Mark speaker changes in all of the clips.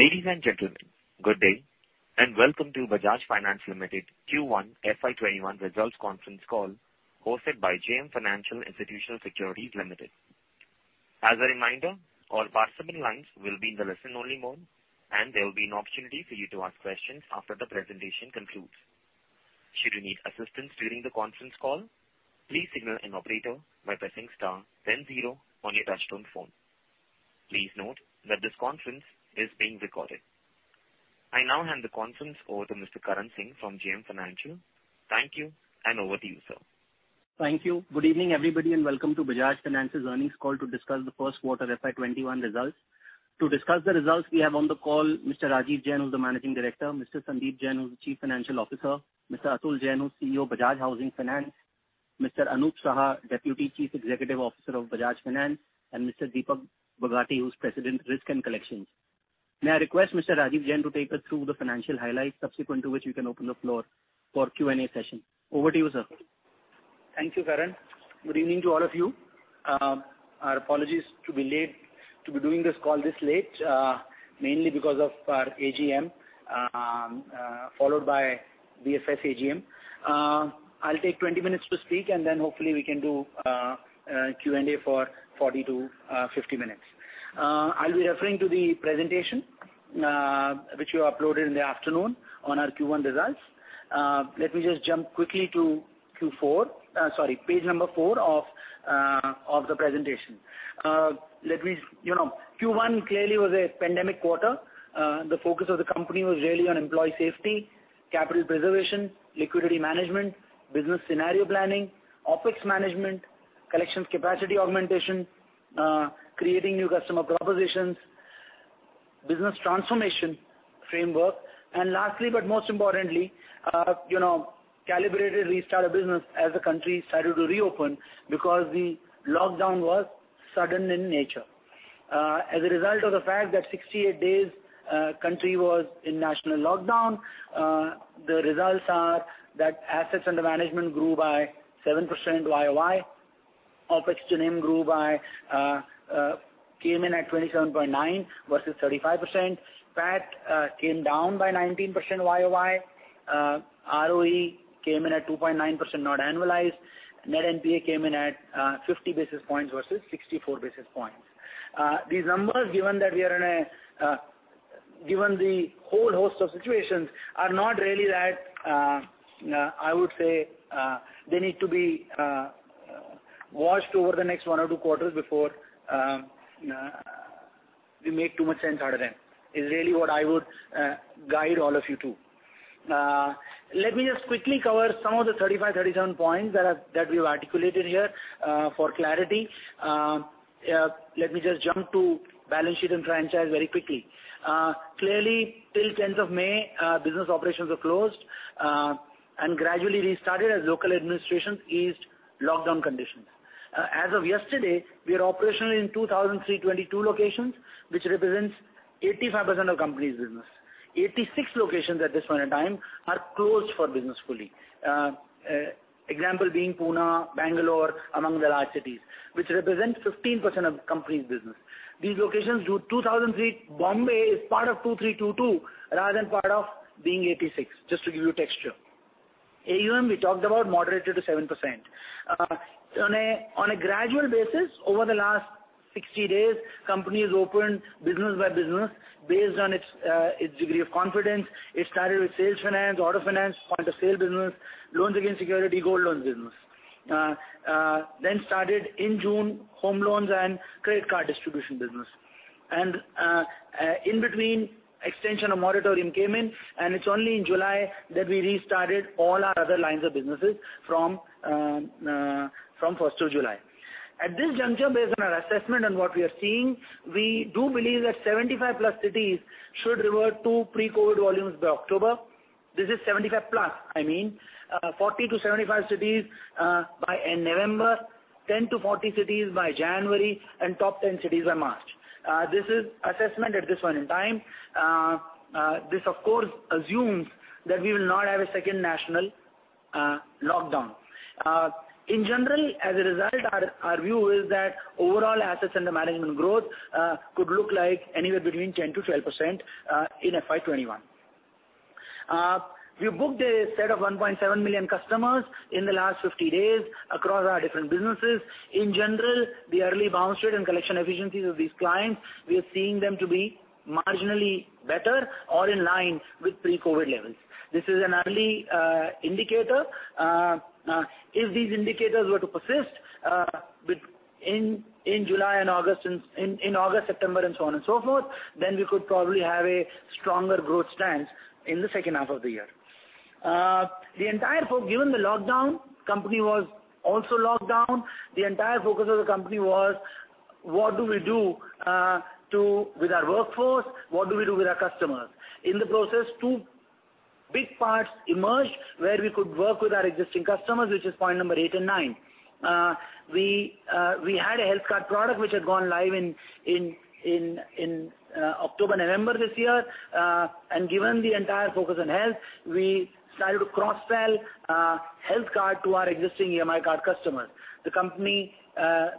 Speaker 1: Ladies and gentlemen, good day, and welcome to Bajaj Finance Limited Q1 FY '21 Results Conference Call, hosted by JM Financial Institutional Securities Limited. As a reminder, all participant lines will be in the listen-only mode, and there will be an opportunity for you to ask questions after the presentation concludes. Should you need assistance during the conference call, please signal an operator by pressing star then zero on your touchtone phone. Please note that this conference is being recorded. I now hand the conference over to Mr. Karan Singh from JM Financial. Thank you, and over to you, sir.
Speaker 2: Thank you. Good evening, everybody, and welcome to Bajaj Finance's earnings call to discuss the first quarter FY '21 results. To discuss the results we have on the call, Mr. Rajeev Jain, who's the Managing Director, Mr. Sandeep Jain, who's the Chief Financial Officer, Mr. Atul Jain, who's CEO of Bajaj Housing Finance, Mr. Anup Saha, Deputy Chief Executive Officer of Bajaj Finance, and Mr. Deepak Bagati, who's President, Risk and Collections. May I request Mr. Rajeev Jain to take us through the financial highlights, subsequent to which we can open the floor for Q&A session. Over to you, sir.
Speaker 3: Thank you, Karan. Good evening to all of you. Our apologies to be doing this call this late, mainly because of our AGM, followed by BFS AGM. I'll take 20 minutes to speak, and then hopefully we can do Q&A for 40-50 minutes. I'll be referring to the presentation, which we uploaded in the afternoon on our Q1 results. Let me just jump quickly to page number four of the presentation. Q1 clearly was a pandemic quarter. The focus of the company was really on employee safety, capital preservation, liquidity management, business scenario planning, OpEx management, collections capacity augmentation, creating new customer propositions, business transformation framework, and lastly, but most importantly, calibrated restart of business as the country started to reopen because the lockdown was sudden in nature. As a result of the fact that 68 days, country was in national lockdown, the results are that assets under management grew by 7% YOY. OpEx to NIM came in at 27.9% versus 35%. PAT came down by 19% YOY. ROE came in at 2.9%, not annualized. Net NPA came in at 50 basis points versus 64 basis points. These numbers, given the whole host of situations, are not really that, I would say, they need to be watched over the next one or two quarters before we make too much sense out of them, is really what I would guide all of you to. Let me just quickly cover some of the 35, 37 points that we've articulated here for clarity. Let me just jump to balance sheet and franchise very quickly. Clearly, till 10th of May, business operations were closed, and gradually restarted as local administrations eased lockdown conditions. As of yesterday, we are operational in 2,322 locations, which represents 85% of company's business. 86 locations at this point in time are closed for business fully. Example being Pune, Bangalore, among the large cities, which represents 15% of company's business. These locations, Bombay is part of 2,322 rather than part of being 86, just to give you texture. AUM, we talked about moderated to 7%. On a gradual basis, over the last 60 days, company has opened business by business based on its degree of confidence. It started with sales finance, auto finance, point-of-sale business, loans against security, gold loans business. Started in June, home loans and credit card distribution business. In between, extension of moratorium came in, and it's only in July that we restarted all our other lines of businesses from 1st of July. At this juncture, based on our assessment and what we are seeing, we do believe that 75 plus cities should revert to pre-COVID volumes by October. This is 75 plus, I mean. 40 to 75 cities by November, 10 to 40 cities by January, and top 10 cities by March. This is assessment at this point in time. This, of course, assumes that we will not have a second national lockdown. In general, as a result, our view is that overall assets under management growth could look like anywhere between 10%-12% in FY 2021. We've booked a set of 1.7 million customers in the last 50 days across our different businesses. In general, the early bounce rate and collection efficiencies of these clients, we are seeing them to be marginally better or in line with pre-COVID-19 levels. This is an early indicator. If these indicators were to persist in July and August, in August, September, and so on and so forth, then we could probably have a stronger growth stance in the second half of the year. Given the lockdown, company was also locked down. The entire focus of the company was what do we do with our workforce? What do we do with our customers? In the process, two big parts emerged where we could work with our existing customers, which is point number 8 and 9. We had a health card product which had gone live in October, November this year, and given the entire focus on health, we started to cross-sell health card to our existing EMI card customers. The company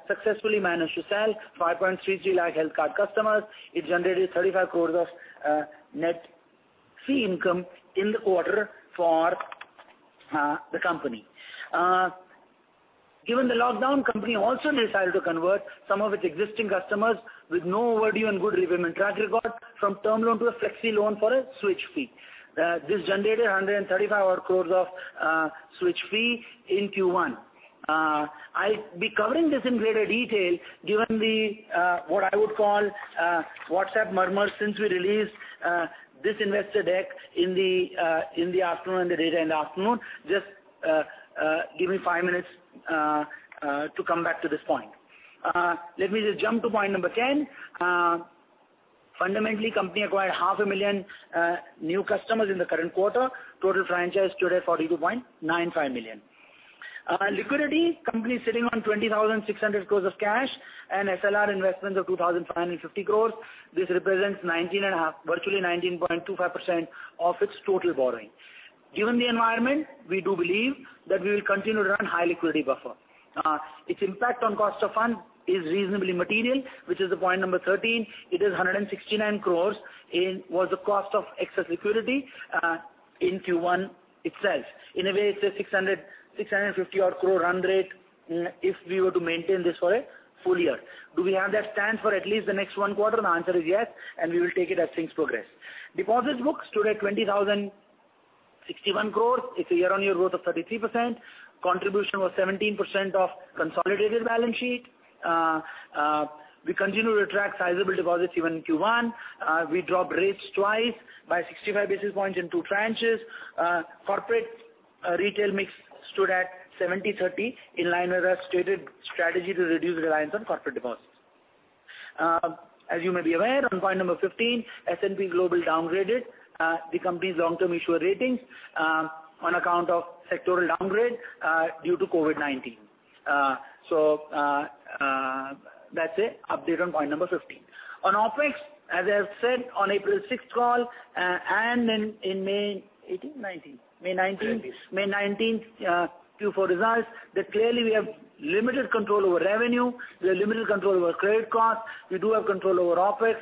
Speaker 3: successfully managed to sell 5.33 lakh health card customers. It generated 35 crore of net fee income in the quarter for the company. Given the lockdown, company also decided to convert some of its existing customers with no overdue and good repayment track record from term loan to a Flexi Loan for a switch fee. This generated 135 crore of switch fee in Q1. I'll be covering this in greater detail given the, what I would call WhatsApp murmur since we released this investor deck in the afternoon, the data in the afternoon. Just give me five minutes to come back to this point. Let me just jump to point number 10. Fundamentally, company acquired half a million new customers in the current quarter. Total franchise stood at 42.95 million. Liquidity, company is sitting on 20,600 crore of cash and SLR investments of 2,550 crore. This represents virtually 19.25% of its total borrowing. Given the environment, we do believe that we will continue to run high liquidity buffer. Its impact on cost of fund is reasonably material, which is the point number 13. It is 169 crore was the cost of excess liquidity in Q1 itself. In a way, it's a 650 crore run rate if we were to maintain this for a full year. Do we have that stance for at least the next one quarter? The answer is yes, and we will take it as things progress. Deposits book stood at 20,061 crore. It's a year-on-year growth of 33%. Contribution was 17% of consolidated balance sheet. We continue to attract sizable deposits even in Q1. We dropped rates twice by 65 basis points in 2 tranches. Corporate retail mix stood at 70/30, in line with our stated strategy to reduce reliance on corporate deposits. As you may be aware, on point number 15, S&P Global downgraded the company's long-term issuer ratings on account of sectoral downgrade due to COVID-19. That's it. Update on point number 15. On OpEx, as I said on April 6th call and in May 18, 19?
Speaker 4: 19.
Speaker 3: May 19th Q4 results, that clearly we have limited control over revenue, we have limited control over credit cost, we do have control over OpEx.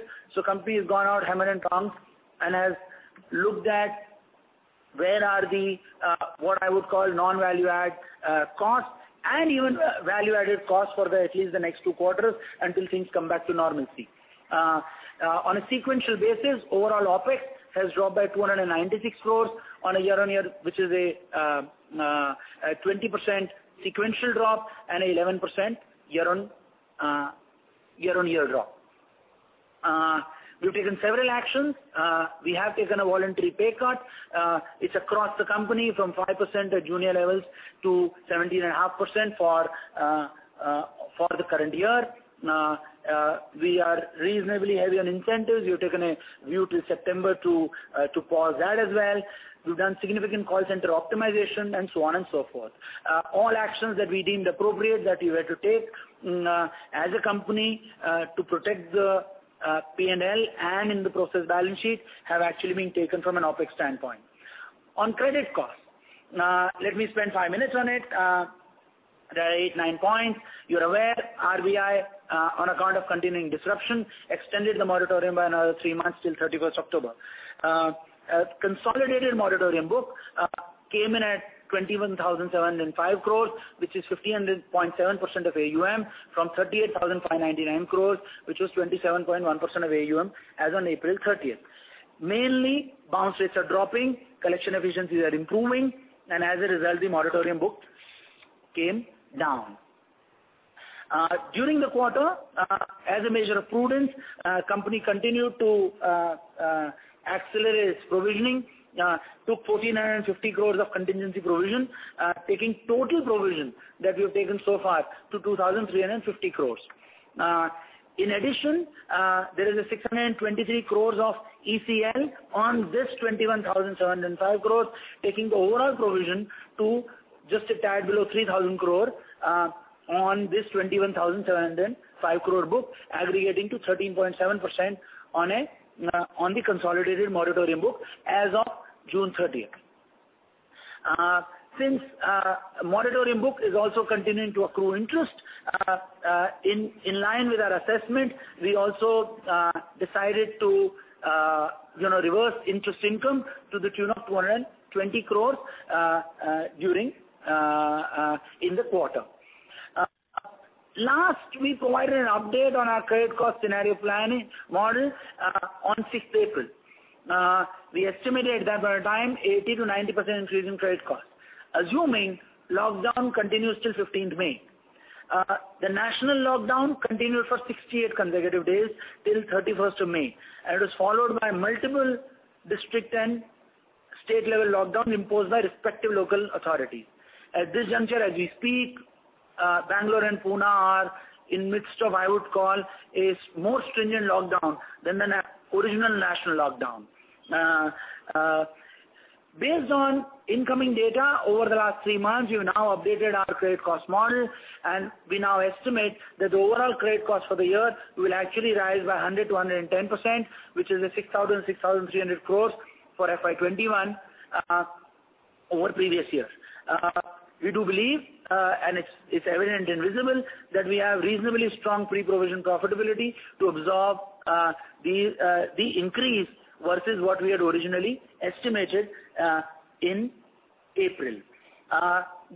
Speaker 3: Company has gone out hammer and tong and has looked at where are the, what I would call non-value add costs and even value-added costs for at least the next two quarters until things come back to normalcy. On a sequential basis, overall OpEx has dropped by 296 crores on a year-on-year, which is a 20% sequential drop and an 11% year-on-year drop. We've taken several actions. We have taken a voluntary pay cut. It's across the company from 5% at junior levels to 17.5% for the current year. We are reasonably heavy on incentives. We have taken a view till September to pause that as well. We've done significant call center optimization and so on and so forth. All actions that we deemed appropriate that we had to take as a company to protect the P&L and in the process balance sheet have actually been taken from an OpEx standpoint. On credit cost. Let me spend five minutes on it. There are eight, nine points. You're aware, RBI, on account of continuing disruption, extended the moratorium by another three months till 31st October. Consolidated moratorium book came in at 21,705 crores, which is 15.7% of AUM from 38,599 crores, which was 27.1% of AUM as on April 30th. Mainly, bounce rates are dropping, collection efficiencies are improving, and as a result, the moratorium book came down. During the quarter, as a measure of prudence, company continued to accelerate its provisioning, took 1,450 crores of contingency provision, taking total provision that we have taken so far to 2,350 crores. In addition, there is 623 crore of ECL on this 21,705 crore, taking the overall provision to just a tad below 3,000 crore on this 21,705 crore book, aggregating to 13.7% on the consolidated moratorium book as of June 30th. Since moratorium book is also continuing to accrue interest, in line with our assessment, we also decided to reverse interest income to the tune of 220 crore during the quarter. Last, we provided an update on our credit cost scenario planning model on 6th April. We estimated at that point of time 80%-90% increase in credit cost, assuming lockdown continues till 15th May. The national lockdown continued for 68 consecutive days till 31st of May, it was followed by multiple district and state-level lockdown imposed by respective local authority. At this juncture, as we speak, Bangalore and Pune are in midst of, I would call, a more stringent lockdown than the original national lockdown. Based on incoming data over the last three months, we have now updated our credit cost model and we now estimate that the overall credit cost for the year will actually rise by 100%-110%, which is 6,000 crore-6,300 crore for FY 2021 over previous years. We do believe, and it's evident and visible, that we have reasonably strong pre-provision profitability to absorb the increase versus what we had originally estimated in April.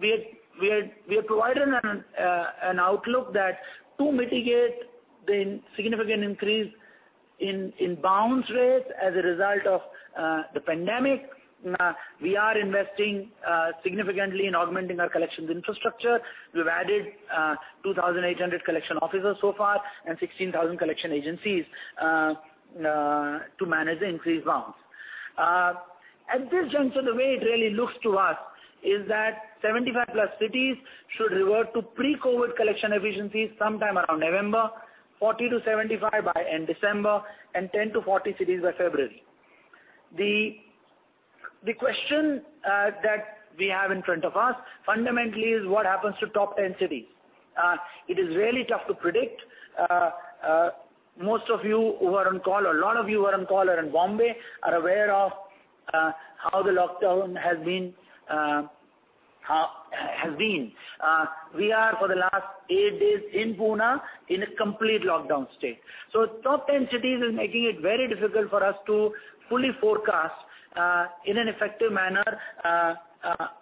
Speaker 3: We had provided an outlook that to mitigate the significant increase in bounce rates as a result of the pandemic, we are investing significantly in augmenting our collections infrastructure. We've added 2,800 collection officers so far and 16,000 collection agencies to manage the increased loans. At this juncture, the way it really looks to us is that 75 plus cities should revert to pre-COVID collection efficiencies sometime around November, 40 to 75 by end December, and 10 to 40 cities by February. The question that we have in front of us fundamentally is what happens to top 10 cities? It is really tough to predict. Most of you who are on call or a lot of you who are on call are in Bombay, are aware of how the lockdown has been. We are for the last eight days in Pune in a complete lockdown state. Top 10 cities is making it very difficult for us to fully forecast, in an effective manner,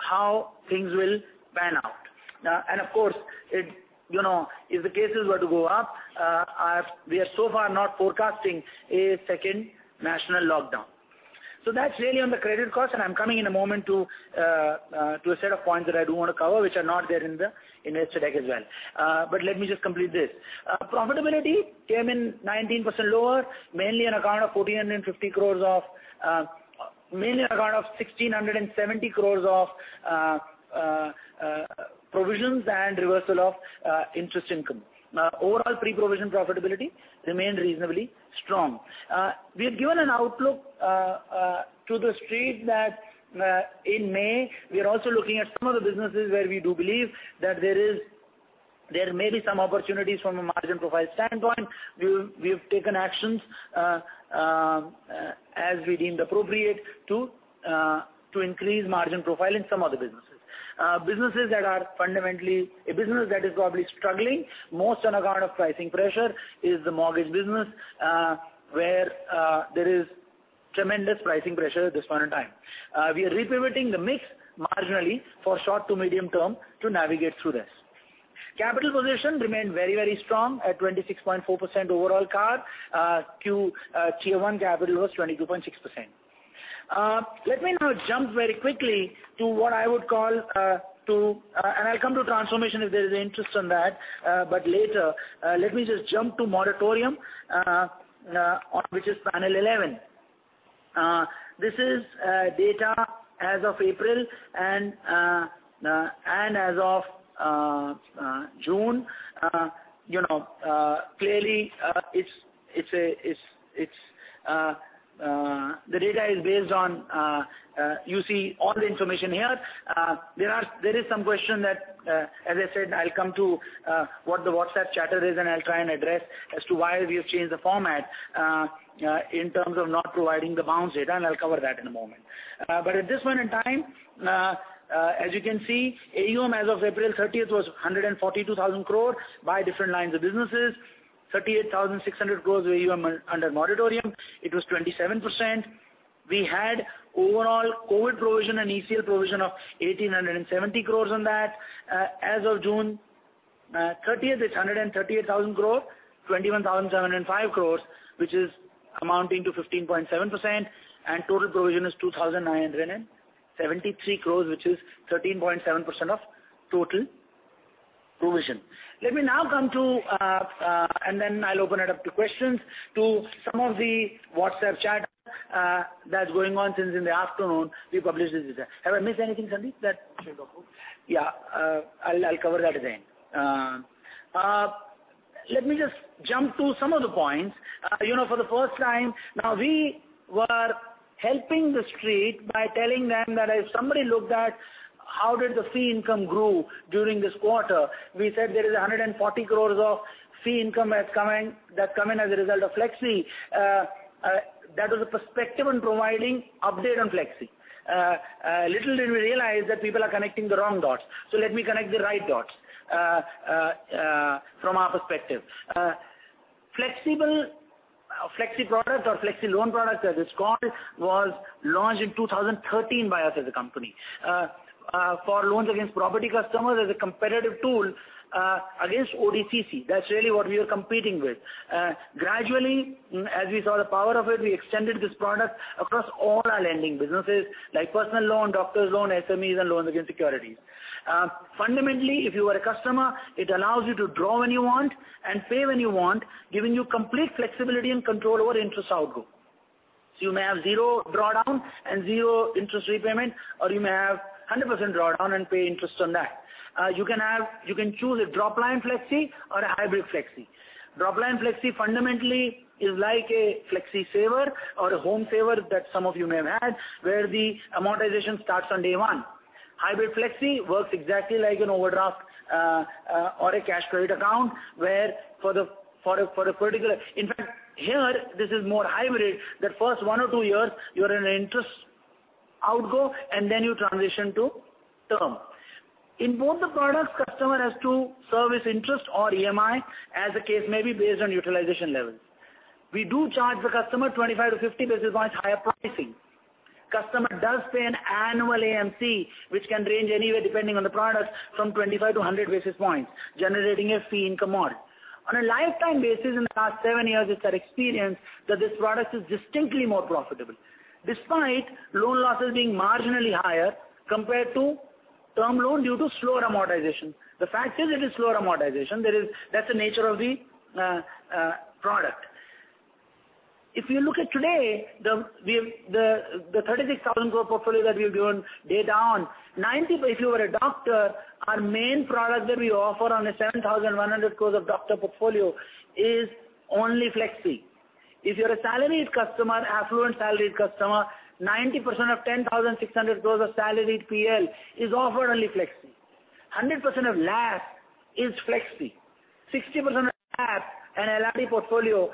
Speaker 3: how things will pan out. Of course, if the cases were to go up, we are so far not forecasting a second national lockdown. That's really on the credit cost, and I'm coming in a moment to a set of points that I do want to cover, which are not there in the investor deck as well. Let me just complete this. Profitability came in 19% lower, mainly on account of 1,670 crore of provisions and reversal of interest income. Overall pre-provision profitability remained reasonably strong. We have given an outlook to the street that in May, we are also looking at some of the businesses where we do believe that there may be some opportunities from a margin profile standpoint. We've taken actions as we deemed appropriate to increase margin profile in some other businesses. A business that is probably struggling most on account of pricing pressure is the mortgage business, where there is tremendous pricing pressure at this point in time. We are repivoting the mix marginally for short to medium term to navigate through this. Capital position remained very strong at 26.4% overall CAR. Q1 capital was 22.6%. Let me now jump very quickly to what I would call, and I'll come to transformation if there is interest on that, but later. Let me just jump to moratorium, which is panel 11. This is data as of April and as of June. Clearly, the data is based on, you see all the information here. There is some question that, as I said, I'll come to what the WhatsApp chatter is, and I'll try and address as to why we have changed the format in terms of not providing the bounce data, and I'll cover that in a moment. At this point in time, as you can see, AUM as of April 30th was 142,000 crore by different lines of businesses. 38,600 crore were AUM under moratorium. It was 27%. We had overall COVID-19 provision and ECL provision of 1,870 crore on that. As of June 30th, it's 138,000 crore, 21,705 crore, which is amounting to 15.7%, and total provision is 2,973 crore, which is 13.7% of total provision. Let me now come to, and then I'll open it up to questions, to some of the WhatsApp chat that's going on since in the afternoon we published this data. Have I missed anything, Sandeep?
Speaker 4: No.
Speaker 3: I'll cover that at the end. Let me just jump to some of the points. For the first time now, we were helping the street by telling them that if somebody looked at how did the fee income grow during this quarter, we said there is 140 crore of fee income that's come in as a result of Flexi. That was a perspective on providing update on Flexi. Let me connect the right dots from our perspective. Flexi product or Flexi Loan product, as it's called, was launched in 2013 by us as a company for loans against property customers as a competitive tool against OD/CC. That's really what we were competing with. Gradually, as we saw the power of it, we extended this product across all our lending businesses, like personal loan, doctor's loan, SMEs, and loans against securities. Fundamentally, if you are a customer, it allows you to draw when you want and pay when you want, giving you complete flexibility and control over interest outgo. You may have zero drawdown and zero interest repayment, or you may have 100% drawdown and pay interest on that. You can choose a Dropline Flexi or a hybrid Flexi. Dropline Flexi fundamentally is like a Flexi Saver or a home saver that some of you may have had, where the amortization starts on day one. Hybrid Flexi works exactly like an overdraft or a cash credit account, where in fact, here, this is more hybrid, that first one or two years, you're in an interest outgo and then you transition to term. In both the products, customer has to service interest or EMI as the case may be, based on utilization level. We do charge the customer 25-50 basis points higher pricing. Customer does pay an annual AMC, which can range anywhere, depending on the product, from 25-100 basis points, generating a fee income arc. On a lifetime basis, in the past seven years with our experience, that this product is distinctly more profitable, despite loan losses being marginally higher compared to term loan due to slower amortization. The fact is, it is slower amortization. That's the nature of the product. If you look at today, the 36,000 portfolio that we've given data on, if you were a doctor, our main product that we offer on a 7,100 of doctor portfolio is only Flexi. If you're a salaried customer, affluent salaried customer, 90% of 10,600 of salaried PL is offered only Flexi. 100% of LAS is Flexi. 60% of LAS and LRD portfolio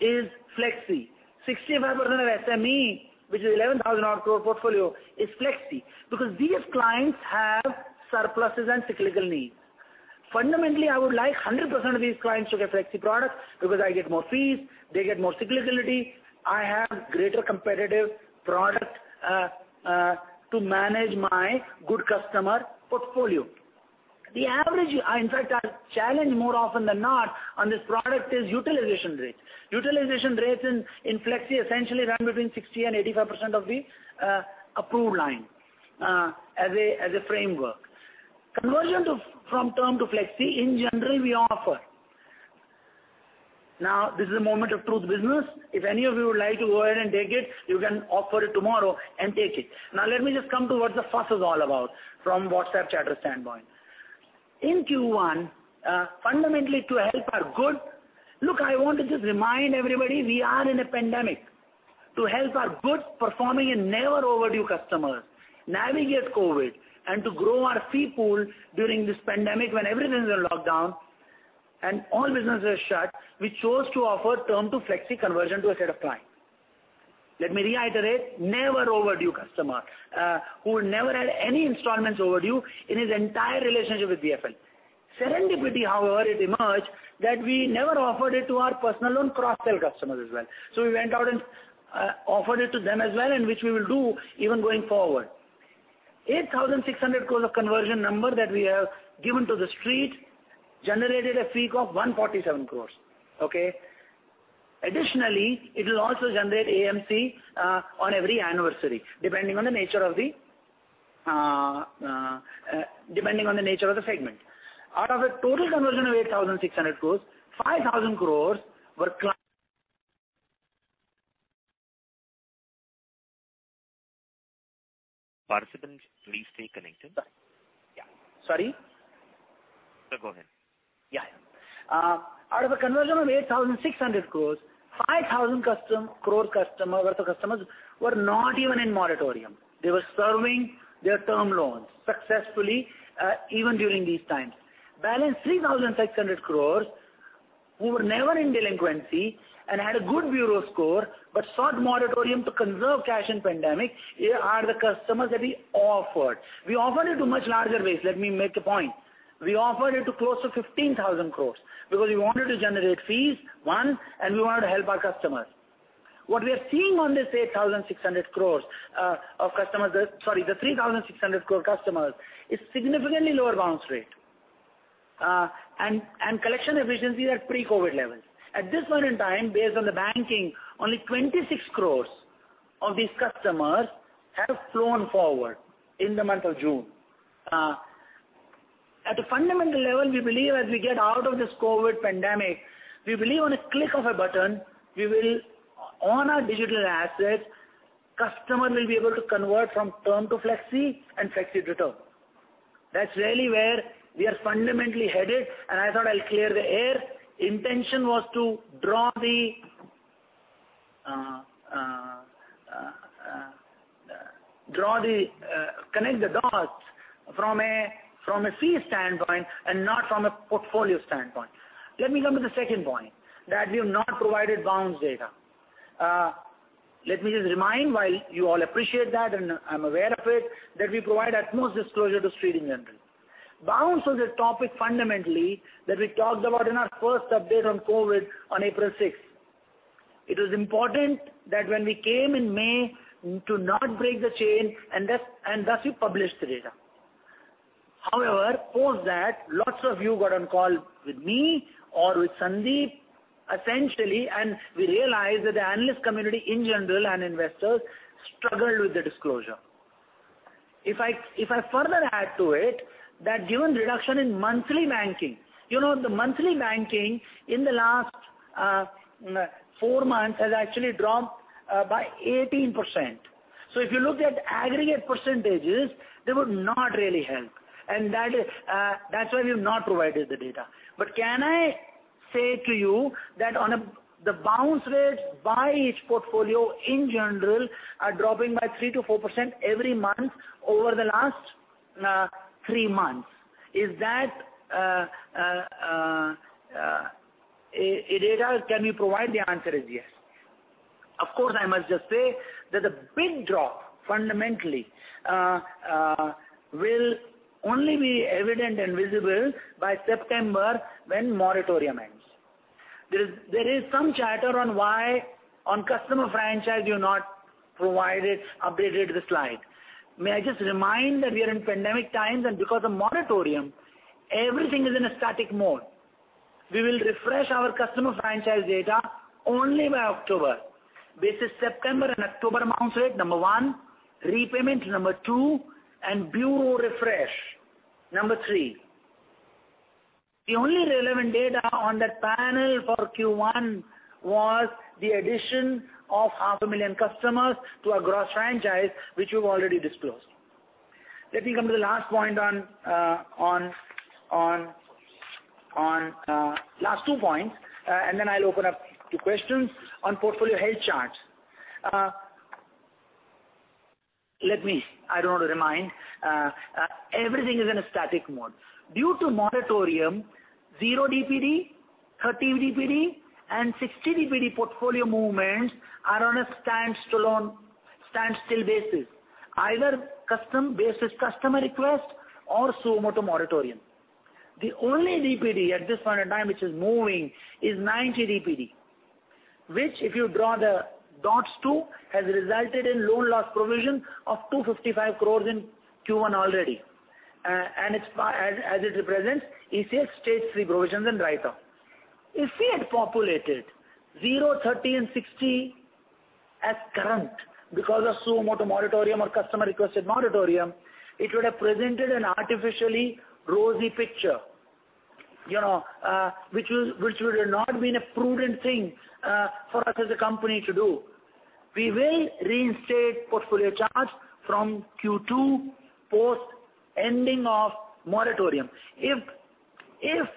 Speaker 3: is Flexi. 65% of SME, which is 11,000 odd portfolio, is Flexi. Because these clients have surpluses and cyclical needs. Fundamentally, I would like 100% of these clients to get Flexi product because I get more fees, they get more cyclicality. I have greater competitive product to manage my good customer portfolio. In fact, our challenge more often than not on this product is utilization rate. Utilization rates in Flexi essentially run between 60% and 85% of the approved line as a framework. Conversion from term to Flexi, in general, we offer. This is a moment of truth business. If any of you would like to go ahead and take it, you can offer it tomorrow and take it. Let me just come to what the fuss is all about from WhatsApp chatter standpoint. In Q1, I want to just remind everybody, we are in a pandemic. To help our good performing and never overdue customers navigate COVID and to grow our fee pool during this pandemic when everything is on lockdown and all businesses are shut, we chose to offer term to Flexi conversion to a set of clients. Let me reiterate, never overdue customer, who never had any installments overdue in his entire relationship with BFL. Serendipity, however, it emerged that we never offered it to our personal loan cross-sell customers as well. We went out and offered it to them as well, and which we will do even going forward. 8,600 crore of conversion number that we have given to the street generated a fee of 147 crore. Okay. Additionally, it will also generate AMC on every anniversary, depending on the nature of the segment. Out of a total conversion of 8,600 crore, 5,000 crore were.
Speaker 1: Participants, please stay connected.
Speaker 3: Sorry. Yeah. Sorry?
Speaker 1: Sir, go ahead.
Speaker 3: Yeah. Out of a conversion of 8,600 crores, 5,000 worth of customers were not even in moratorium. They were serving their term loans successfully, even during these times. Balance 3,600 crores who were never in delinquency and had a good Bureau score but sought moratorium to conserve cash in pandemic are the customers that we offered. We offered it to much larger base. Let me make a point. We offered it to close to 15,000 crores because we wanted to generate fees, one, and we wanted to help our customers. What we are seeing on this 8,600 crores of customers, sorry, the 3,600 crore customers, is significantly lower bounce rate and collection efficiencies at pre-COVID levels. At this point in time, based on the banking, only 26 crores of these customers have flown forward in the month of June. At a fundamental level, we believe as we get out of this COVID-19 pandemic, we believe on a click of a button, we will, on our digital assets, customer will be able to convert from term to Flexi and Flexi to term. That's really where we are fundamentally headed, and I thought I'll clear the air. Intention was to connect the dots from a fee standpoint and not from a portfolio standpoint. Let me come to the second point, that we have not provided bounce data. Let me just remind while you all appreciate that, and I'm aware of it, that we provide utmost disclosure to street in general. Bounce was a topic fundamentally that we talked about in our first update on COVID-19 on April sixth. It was important that when we came in May to not break the chain and thus we published the data. Post that, lots of you got on call with me or with Sandeep, essentially, and we realized that the analyst community in general and investors struggled with the disclosure. I further add to it, that given reduction in monthly banking. The monthly banking in the last four months has actually dropped by 18%. If you looked at aggregate percentages, they would not really help. That's why we've not provided the data. Can I say to you that the bounce rates by each portfolio in general are dropping by 3%-4% every month over the last three months. Is that data, can we provide? The answer is yes. Of course, I must just say that the big drop fundamentally will only be evident and visible by September when moratorium ends. There is some chatter on why on customer franchise you have not provided, updated the slide. May I just remind that we are in pandemic times, and because of moratorium, everything is in a static mode. We will refresh our customer franchise data only by October. Basis September and October bounce rate, number 1, repayment, number 2, and bureau refresh, number 3. The only relevant data on that panel for Q1 was the addition of half a million customers to our gross franchise, which we've already disclosed. Let me come to the last two points, then I'll open up to questions on portfolio health charts. I don't want to remind, everything is in a static mode. Due to moratorium, 0 DPD, 30 DPD, and 60 DPD portfolio movements are on a standstill basis. Either based on customer request or suo motu moratorium. The only DPD at this point in time which is moving is 90 DPD. Which if you draw the dots too, has resulted in loan loss provision of 255 crores in Q1 already. As it represents, ECS states the provisions and write-off. If we had populated 0, 30 and 60 as current because of suo motu moratorium or customer requested moratorium, it would have presented an artificially rosy picture which would have not been a prudent thing for us as a company to do. We will reinstate portfolio charts from Q2 post ending of moratorium. If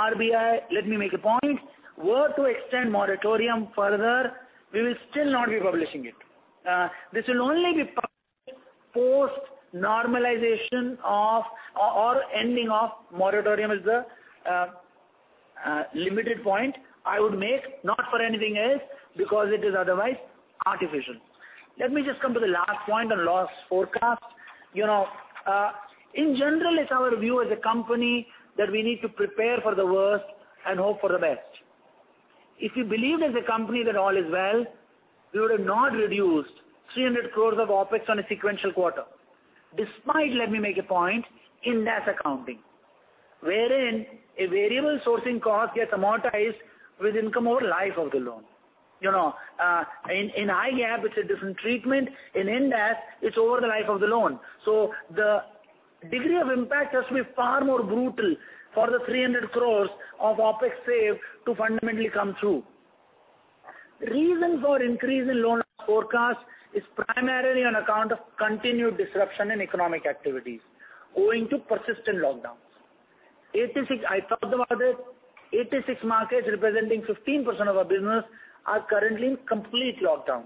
Speaker 3: RBI, let me make a point, were to extend moratorium further, we will still not be publishing it. This will only be published post normalization of or ending of moratorium is the limited point I would make, not for anything else, because it is otherwise artificial. Let me just come to the last point on loss forecast. In general, it's our view as a company that we need to prepare for the worst and hope for the best. If we believe as a company that all is well, we would have not reduced 300 crores of OpEx on a sequential quarter. Despite, let me make a point, in that accounting, wherein a variable sourcing cost gets amortized with income over life of the loan. In IGAP, it's a different treatment. In Ind AS, it's over the life of the loan. The degree of impact has to be far more brutal for the 300 crores of OpEx saved to fundamentally come through. Reason for increase in loan loss forecast is primarily on account of continued disruption in economic activities owing to persistent lockdowns. I thought about this, 86 markets representing 15% of our business are currently in complete lockdown.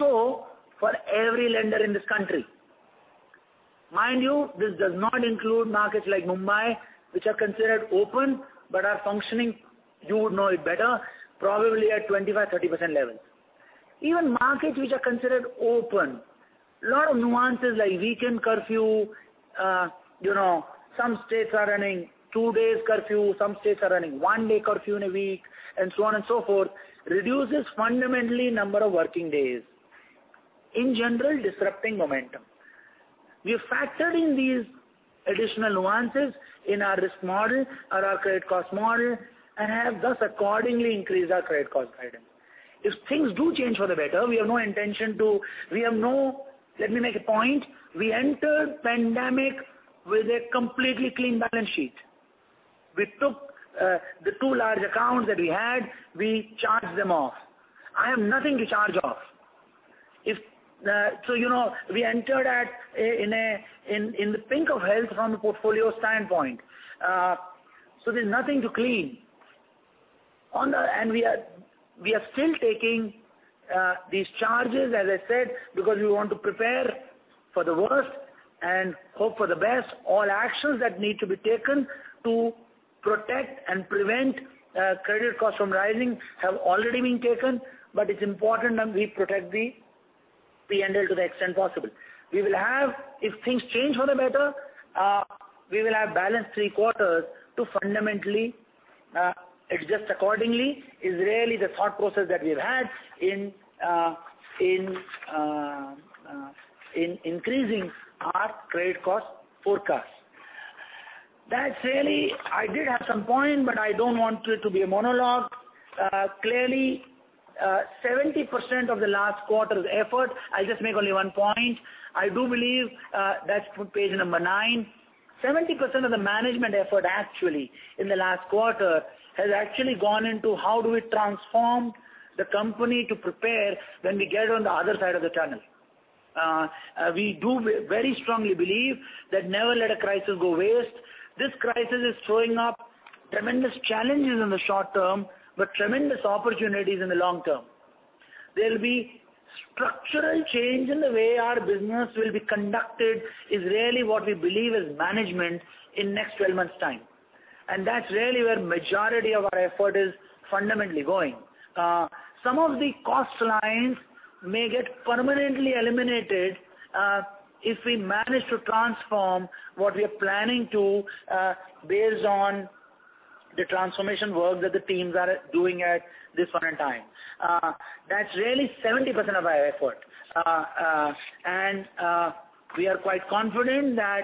Speaker 3: For every lender in this country. Mind you, this does not include markets like Mumbai, which are considered open but are functioning, you would know it better, probably at 25%, 30% levels. Even markets which are considered open, lot of nuances like weekend curfew, some states are running two days curfew, some states are running one day curfew in a week, and so on and so forth, reduces fundamentally number of working days, in general, disrupting momentum. We have factored in these additional nuances in our risk model or our credit cost model and have thus accordingly increased our credit cost guidance. If things do change for the better, we have no intention. Let me make a point. We entered pandemic with a completely clean balance sheet. We took the two large accounts that we had, we charged them off. I have nothing to charge off. We entered in the pink of health from the portfolio standpoint. There's nothing to clean. We are still taking these charges, as I said, because we want to prepare for the worst and hope for the best. All actions that need to be taken to protect and prevent credit cost from rising have already been taken, but it's important that we protect the PNL to the extent possible. If things change for the better, we will have balanced three quarters to fundamentally adjust accordingly, is really the thought process that we've had in increasing our credit cost forecast. I did have some point, but I don't want it to be a monologue. Clearly, 70% of the last quarter's effort, I'll just make only one point. That's page number nine. 70% of the management effort actually in the last quarter has gone into how do we transform the company to prepare when we get on the other side of the tunnel. We do very strongly believe that never let a crisis go waste. This crisis is throwing up tremendous challenges in the short term, but tremendous opportunities in the long term. There will be structural change in the way our business will be conducted, is really what we believe as management in next 12 months' time. That's really where majority of our effort is fundamentally going. Some of the cost lines may get permanently eliminated if we manage to transform what we are planning to based on the transformation work that the teams are doing at this point in time. That's really 70% of our effort. We are quite confident that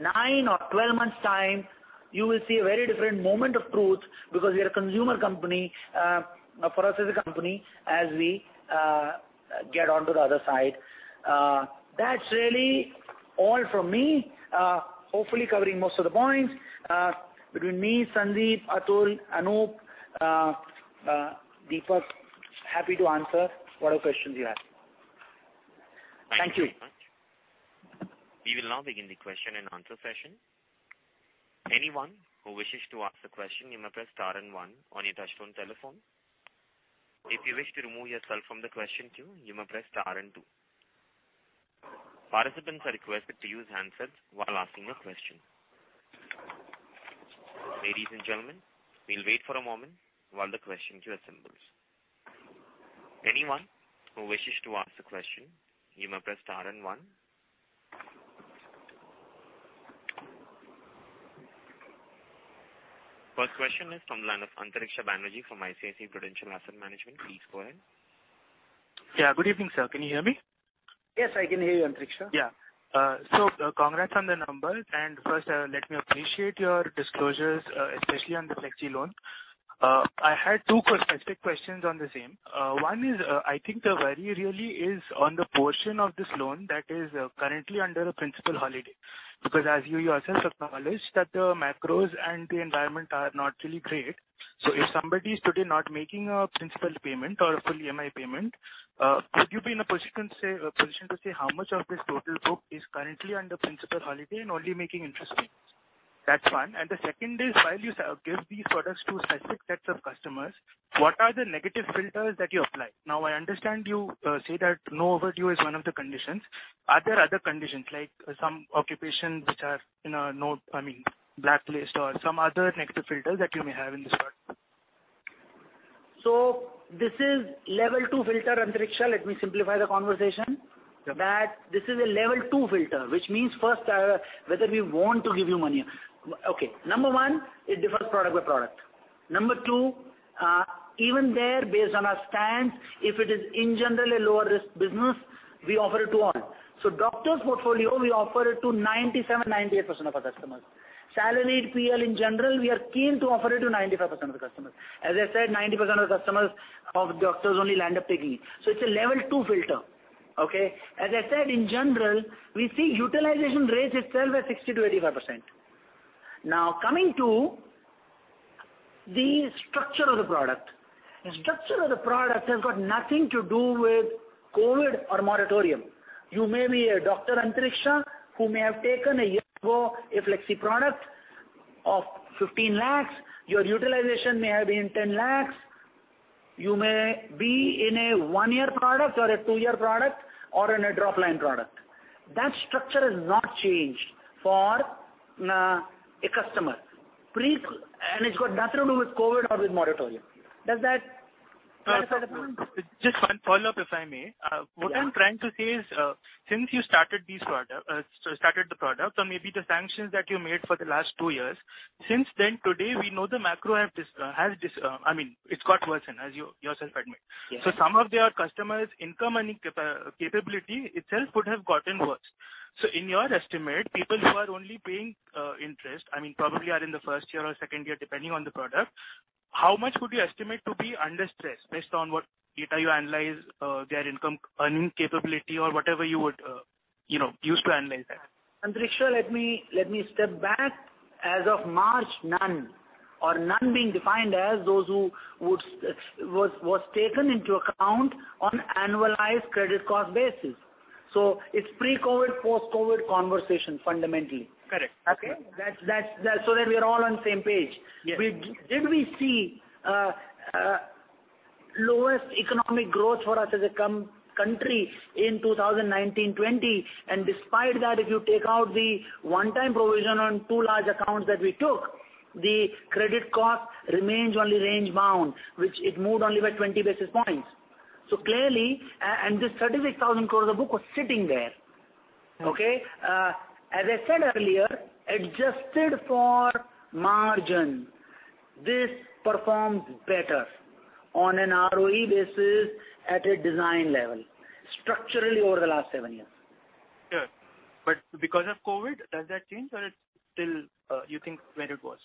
Speaker 3: nine or 12 months' time, you will see a very different moment of truth because we are a consumer company, for us as a company, as we get onto the other side. That's really all from me. Hopefully covering most of the points. Between me, Sandeep, Atul, Anup, Deepak, happy to answer whatever questions you have. Thank you.
Speaker 1: Thank you very much. We will now begin the question and answer session. Anyone who wishes to ask a question, you may press star and one on your touchtone telephone. If you wish to remove yourself from the question queue, you may press star and two. Participants are requested to use handsets while asking a question. Ladies and gentlemen, we will wait for a moment while the question queue assembles. Anyone who wishes to ask a question, you may press star and one. First question is from the line of Antariksha Banerjee from ICICI Prudential Asset Management. Please go ahead.
Speaker 5: Yeah. Good evening, sir. Can you hear me?
Speaker 3: Yes, I can hear you, Antariksha.
Speaker 5: Congrats on the numbers. First, let me appreciate your disclosures, especially on the Flexi Loan. I had two specific questions on the same. One is, I think the worry really is on the portion of this loan that is currently under a principal holiday. As you yourself acknowledged that the macros and the environment are not really great. If somebody is today not making a principal payment or a full EMI payment, could you be in a position to say how much of this total book is currently under principal holiday and only making interest payments? That's one. The second is, while you give these products to specific sets of customers, what are the negative filters that you apply? I understand you say that no overdue is one of the conditions. Are there other conditions like some occupations which are blacklisted or some other negative filters that you may have in this product?
Speaker 3: This is level 2 filter, Antariksha. Let me simplify the conversation.
Speaker 5: Sure.
Speaker 3: This is a level 2 filter, which means first, whether we want to give you money. Okay. Number 1, it differs product by product. Number 2, even there based on our stance, if it is in general a lower risk business, we offer it to all. Doctor's portfolio, we offer it to 97%-98% of our customers. Salaried PL in general, we are keen to offer it to 95% of the customers. As I said, 90% of the customers of doctors only land up taking it. It's a level 2 filter. Okay? As I said, in general, we see utilization rates itself at 60%-85%. Coming to the structure of the product. The structure of the product has got nothing to do with COVID or moratorium. You may be a doctor, Antariksha, who may have taken a year ago, a Flexi Loan of 15 lakhs. Your utilization may have been 10 lakh. You may be in a one-year product or a two-year product or in a drop line product. That structure has not changed for a customer. It's got nothing to do with COVID or with moratorium. Does that clarify the point?
Speaker 5: Just one follow-up, if I may.
Speaker 3: Yes.
Speaker 5: What I'm trying to say is, since you started the product or maybe the sanctions that you made for the last two years, since then today, we know the macro, it's got worsen, as you yourself admit.
Speaker 3: Yes.
Speaker 5: Some of their customers' income earning capability itself would have gotten worse. In your estimate, people who are only paying interest, probably are in the first year or second year, depending on the product, how much would you estimate to be under stress based on what data you analyze their income earning capability or whatever you would use to analyze that?
Speaker 3: Antariksha, let me step back. As of March, none, or none being defined as those who was taken into account on annualized credit cost basis. It's pre-COVID, post-COVID conversation, fundamentally.
Speaker 5: Correct.
Speaker 3: Okay? That we're all on the same page.
Speaker 5: Yes.
Speaker 3: Did we see lowest economic growth for us as a country in 2019-2020? Despite that, if you take out the one-time provision on two large accounts that we took, the credit cost remains only range bound, which it moved only by 20 basis points. This 36,000 crore, the book was sitting there. Okay? As I said earlier, adjusted for margin, this performed better on an ROE basis at a design level, structurally over the last seven years.
Speaker 5: Sure. Because of COVID, does that change or it's still you think where it was?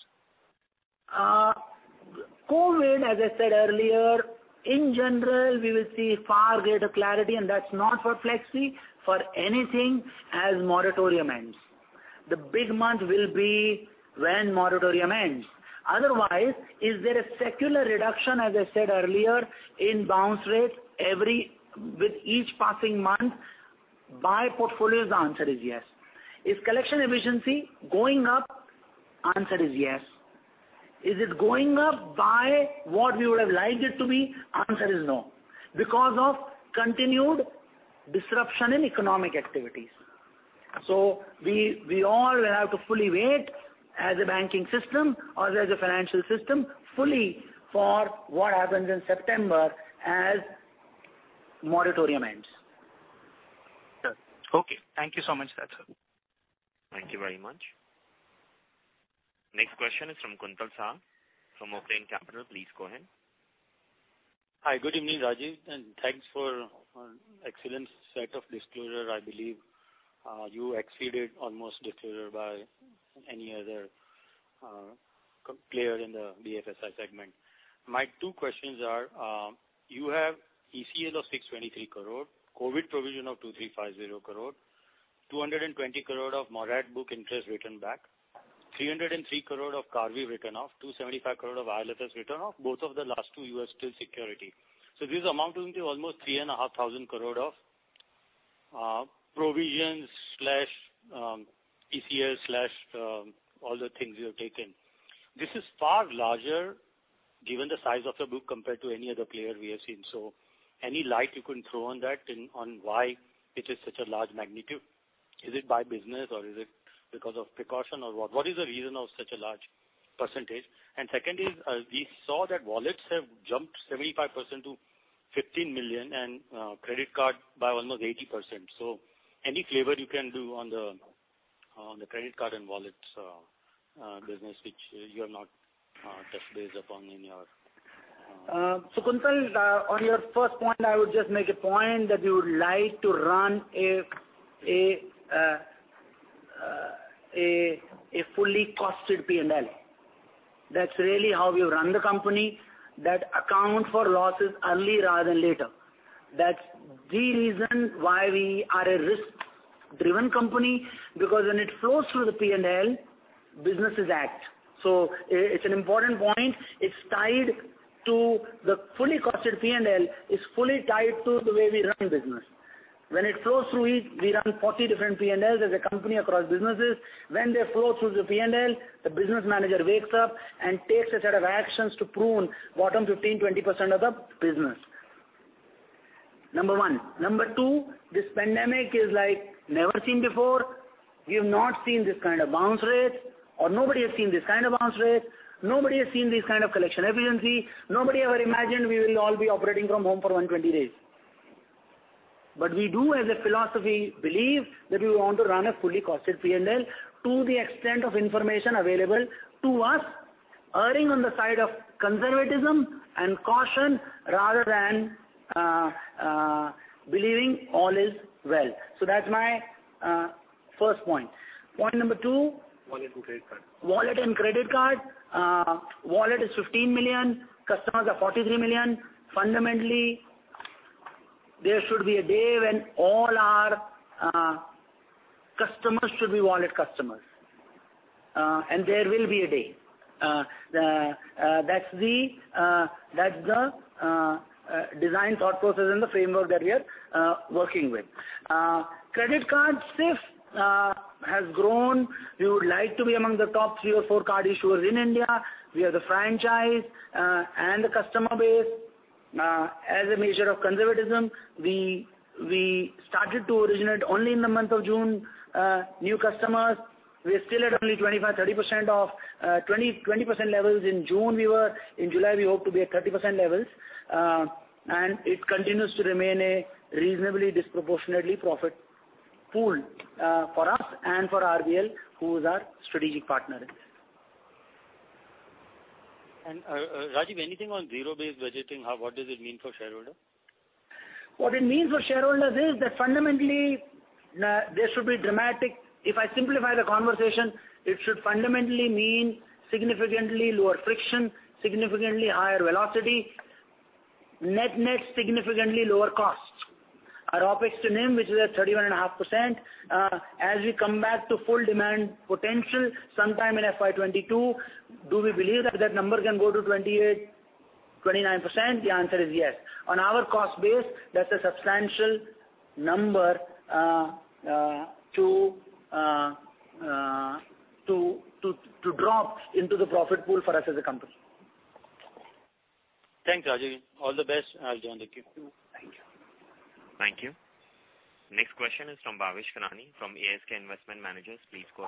Speaker 3: COVID, as I said earlier, in general, we will see far greater clarity, and that's not for Flexi, for anything as moratorium ends. The big month will be when moratorium ends. Otherwise, is there a secular reduction, as I said earlier, in bounce rates with each passing month? By portfolios, the answer is yes. Is collection efficiency going up? Answer is yes. Is it going up by what we would have liked it to be? Answer is no, because of continued disruption in economic activities. We all will have to fully wait as a banking system or as a financial system fully for what happens in September as moratorium ends.
Speaker 5: Sure. Okay. Thank you so much, that's all.
Speaker 1: Thank you very much. Next question is from Kuntal Shah from Oaklane Capital. Please go ahead.
Speaker 6: Hi. Good evening, Rajeev. Thanks for excellent set of disclosure. I believe you exceeded almost disclosure by any other player in the BFSI segment. My 2 questions are, you have ECS of 623 crore, COVID provision of 2,350 crore, 220 crore of Morat book interest written back, 303 crore of Karvy written off, 275 crore of IL&FS written off, both of the last 2 [you are still security]. This amounts into almost 3,500 crore of provisions/ECS/all the things you have taken. This is far larger given the size of the book compared to any other player we have seen. Any light you can throw on that and on why it is such a large magnitude? Is it by business or is it because of precaution or what? What is the reason of such a large percentage? Second is, we saw that wallets have jumped 75% to 15 million and credit card by almost 80%. Any flavor you can do on the credit card and wallets business which you have not touched base upon?
Speaker 3: Kuntal, on your first point, I would just make a point that we would like to run a fully costed P&L. That's really how we run the company, that account for losses early rather than later. That's the reason why we are a risk-driven company because when it flows through the P&L, businesses act. It's an important point. The fully costed P&L is fully tied to the way we run business. When it flows through it, we run 40 different P&Ls as a company across businesses. When they flow through the P&L, the business manager wakes up and takes a set of actions to prune bottom 15%, 20% of the business. Number one. Number two, this pandemic is like never seen before. We have not seen this kind of bounce rates or nobody has seen this kind of bounce rates. Nobody has seen this kind of collection efficiency. Nobody ever imagined we will all be operating from home for 120 days. We do, as a philosophy, believe that we want to run a fully costed P&L to the extent of information available to us, erring on the side of conservatism and caution rather than believing all is well. That's my first point. Point number 2.
Speaker 6: Wallet and credit card.
Speaker 3: Wallet and credit card. Wallet is 15 million. Customers are 43 million. Fundamentally, there should be a day when all our customers should be wallet customers. There will be a day. That's the design thought process and the framework that we are working with. Credit card itself has grown. We would like to be among the top three or four card issuers in India. We have the franchise and the customer base. As a measure of conservatism, we started to originate only in the month of June. New customers, we are still at only 25%-30% of 20% levels in June we were. In July, we hope to be at 30% levels. It continues to remain a reasonably disproportionately profit pool for us and for RBL Bank, who is our strategic partner in this.
Speaker 6: Rajeev, anything on zero-based budgeting? What does it mean for shareholder?
Speaker 3: What it means for shareholders is that fundamentally, there should be dramatic. If I simplify the conversation, it should fundamentally mean significantly lower friction, significantly higher velocity, net significantly lower costs. Our OpEx to NIM, which is at 31.5%, as we come back to full demand potential sometime in FY 22, do we believe that number can go to 28, 29%? The answer is yes. On our cost base, that's a substantial number to drop into the profit pool for us as a company.
Speaker 6: Thanks, Rajeev. All the best. I'll join the queue too. Thank you.
Speaker 1: Thank you. Next question is from Bhavesh Kanani from ASK Investment Managers. Please go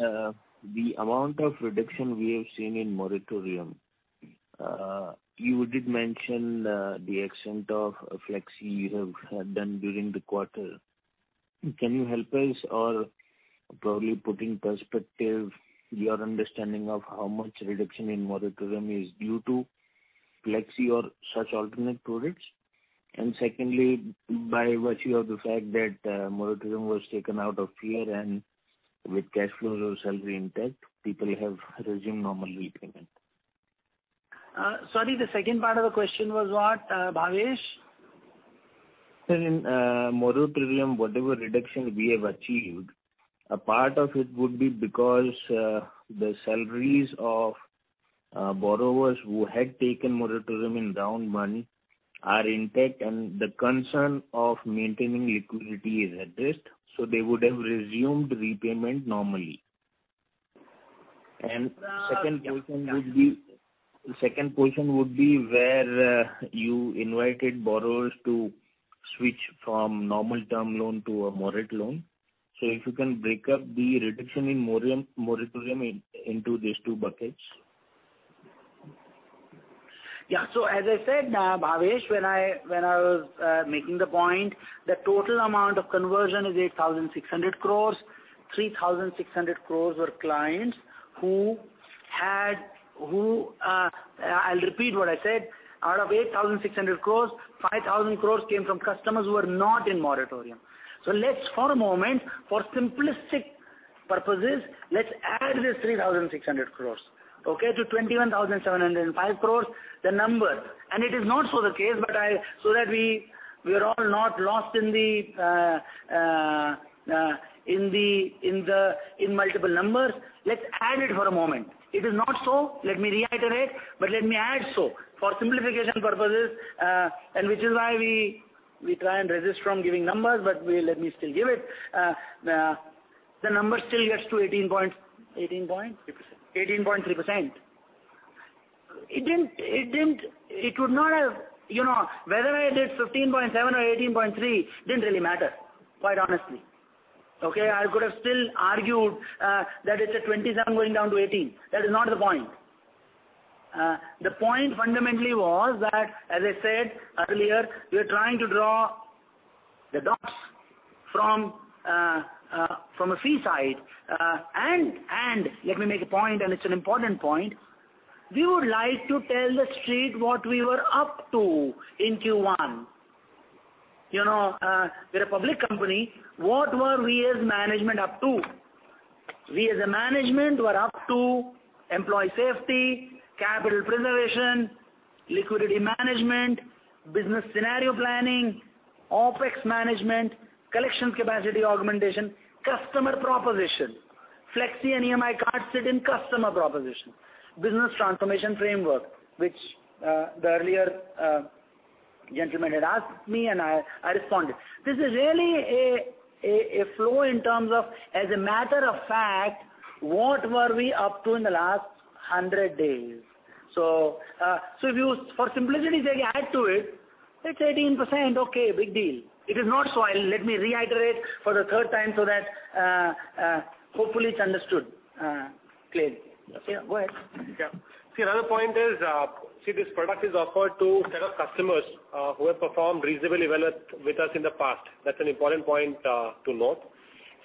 Speaker 1: ahead.
Speaker 7: The amount of reduction we have seen in moratorium, you did mention the extent of Flexi you have done during the quarter. Can you help us or probably put in perspective your understanding of how much reduction in moratorium is due to Flexi or such alternate products? Secondly, by virtue of the fact that moratorium was taken out of fear and with cash flows or salary intact, people have resumed normal repayment.
Speaker 3: Sorry, the second part of the question was what, Bhavesh?
Speaker 7: Sir, in moratorium, whatever reduction we have achieved, a part of it would be because the salaries of borrowers who had taken moratorium in round one are intact and the concern of maintaining liquidity is addressed, so they would have resumed repayment normally. The second question would be where you invited borrowers to switch from normal term loan to a morat loan. If you can break up the reduction in moratorium into these two buckets.
Speaker 3: Yeah. As I said, Bhavesh, when I was making the point, the total amount of conversion is 8,600 crore. 3,600 crore were clients. I'll repeat what I said. Out of 8,600 crore, 5,000 crore came from customers who were not in moratorium. For a moment, for simplistic purposes, let's add this 3,600 crore to 21,705 crore, the number. It is not so the case, but so that we are all not lost in multiple numbers, let's add it for a moment. It is not so, let me reiterate, but let me add so for simplification purposes, which is why we try and resist from giving numbers, but let me still give it. The number still gets to 18 point
Speaker 4: 18.3%.
Speaker 3: 18.3%. Whether I did 15.7 or 18.3, didn't really matter, quite honestly. Okay. I could have still argued that it's a 27 going down to 18. That is not the point. The point fundamentally was that, as I said earlier, we are trying to draw the dots from a fee side. Let me make a point, and it's an important point. We would like to tell the street what we were up to in Q1. We're a public company. What were we as management up to? We as a management were up to employee safety, capital preservation, liquidity management, business scenario planning, OpEx management, collections capacity augmentation, customer proposition. Flexi and EMI cards sit in customer proposition. Business transformation framework, which the earlier gentleman had asked me and I responded. This is really a flow in terms of, as a matter of fact, what were we up to in the last 100 days. For simplicity sake, add to it's 18%. Okay, big deal. It is not so. Let me reiterate for the third time so that hopefully it's understood clearly. Go ahead.
Speaker 4: Yeah. See, another point is, see this product is offered to set of customers who have performed reasonably well with us in the past. That's an important point to note.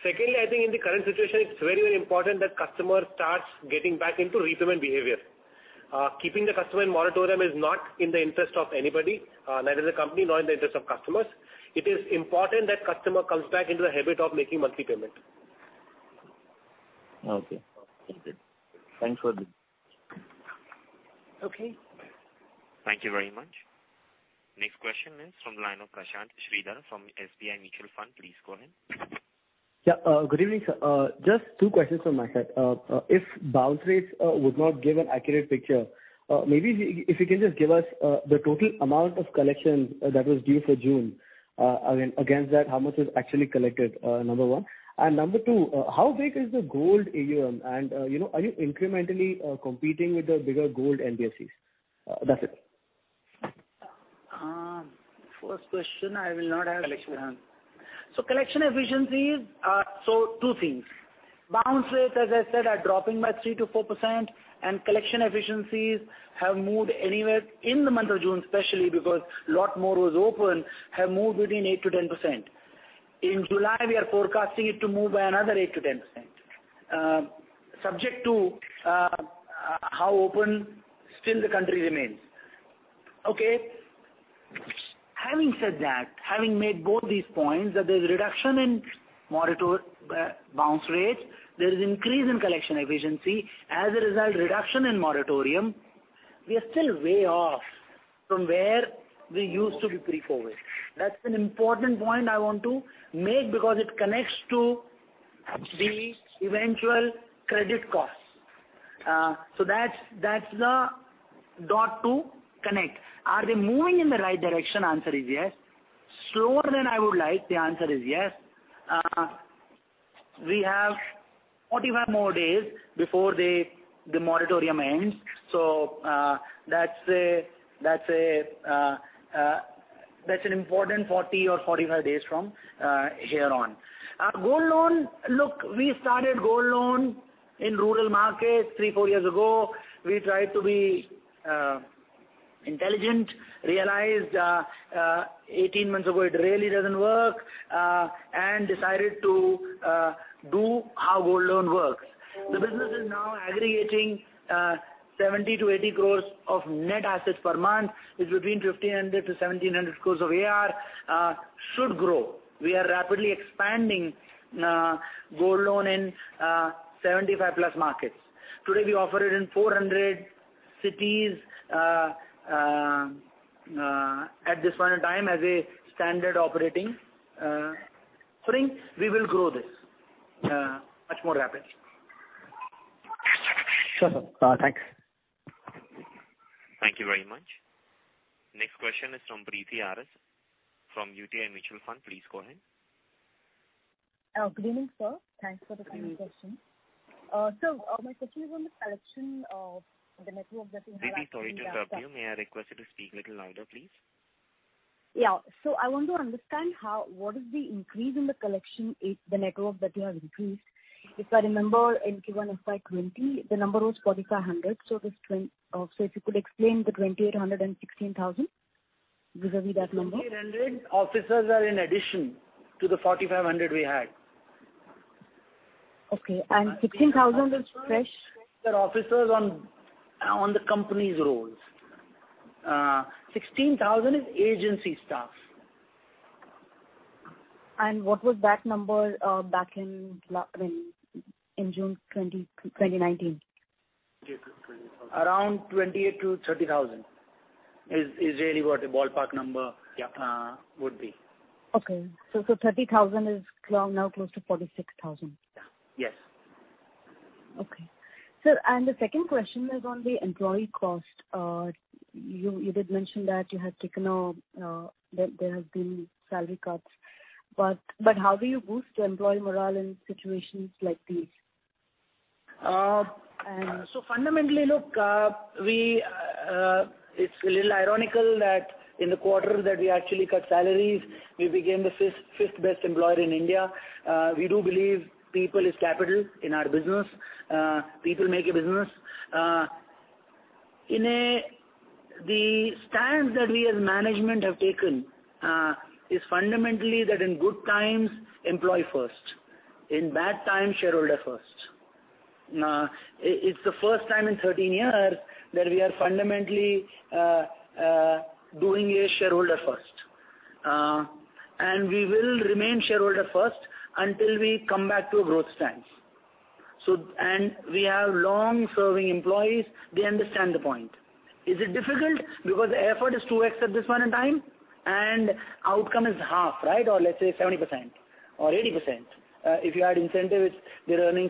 Speaker 4: Secondly, I think in the current situation, it's very important that customer starts getting back into repayment behavior. Keeping the customer in moratorium is not in the interest of anybody, neither the company, nor in the interest of customers. It is important that customer comes back into the habit of making monthly payment.
Speaker 7: Okay. Thank you. Thanks for this.
Speaker 3: Okay.
Speaker 1: Thank you very much. Next question is from line of Prashant Sridhar from SBI Mutual Fund. Please go ahead.
Speaker 8: Good evening, sir. Just two questions from my side. If bounce rates would not give an accurate picture, maybe if you can just give us the total amount of collections that was due for June. Against that, how much was actually collected? Number 1. Number 2, how big is the gold AUM? Are you incrementally competing with the bigger gold NBFCs? That's it.
Speaker 3: First question, I will not answer.
Speaker 4: Collection.
Speaker 3: Collection efficiencies. Two things. Bounce rates, as I said, are dropping by 3%-4%, and collection efficiencies have moved anywhere, in the month of June especially because lot more was open, have moved within 8%-10%. In July, we are forecasting it to move by another 8%-10%, subject to how open still the country remains. Okay. Having said that, having made both these points that there's reduction in bounce rates, there is increase in collection efficiency. As a result, reduction in moratorium. We are still way off from where we used to be pre-COVID-19. That's an important point I want to make because it connects to the eventual credit costs. That's the dot to connect. Are they moving in the right direction? Answer is yes. Slower than I would like? The answer is yes. We have 45 more days before the moratorium ends. That's an important 40 or 45 days from here on. Gold loan. Look, we started gold loan in rural markets three, four years ago. We tried to be intelligent, realized 18 months ago it really doesn't work, and decided to do how gold loan works. The business is now aggregating 70 crores to 80 crores of net assets per month with between 1,500 crores to 1,700 crores of AR. Should grow. We are rapidly expanding gold loan in 75 plus markets. Today, we offer it in 400 cities at this point in time as a standard operating. [Spring], we will grow this much more rapidly.
Speaker 8: Sure, sir. Thanks.
Speaker 1: Thank you very much. Next question is from Preeti RS from UTI Mutual Fund. Please go ahead.
Speaker 9: Good evening, sir. Thanks for the kind introduction. Sir, my question is on the collection of the network that you have.
Speaker 1: Preeti, sorry to interrupt you. May I request you to speak a little louder, please?
Speaker 9: Yeah. I want to understand what is the increase in the collection if the network that you have increased. If I remember in Q1 FY 2020, the number was 4,500. If you could explain the 2,800 and 16,000 vis-a-vis that number.
Speaker 3: 1,800 officers are in addition to the 4,500 we had.
Speaker 9: Okay. 16,000 is fresh?
Speaker 3: The officers on the company's rolls. 16,000 is agency staff.
Speaker 9: What was that number back in June 2019?
Speaker 3: Around 28,000 to 30,000 is really what the ballpark number would be.
Speaker 9: Okay. 30,000 is now close to 46,000.
Speaker 3: Yes.
Speaker 9: Okay. Sir, the second question is on the employee cost. You did mention that there have been salary cuts. How do you boost employee morale in situations like these?
Speaker 3: Fundamentally, it's a little ironical that in the quarter that we actually cut salaries, we became the fifth-best employer in India. We do believe people is capital in our business. People make a business. The stance that we as management have taken is fundamentally that in good times, employ first. In bad times, shareholder first. It's the first time in 13 years that we are fundamentally doing a shareholder first. We will remain shareholder first until we come back to a growth stance. We have long-serving employees. They understand the point. Is it difficult? Because the effort is 2x at this point in time and outcome is half. Let's say 70% or 80%. If you had incentives, they're earning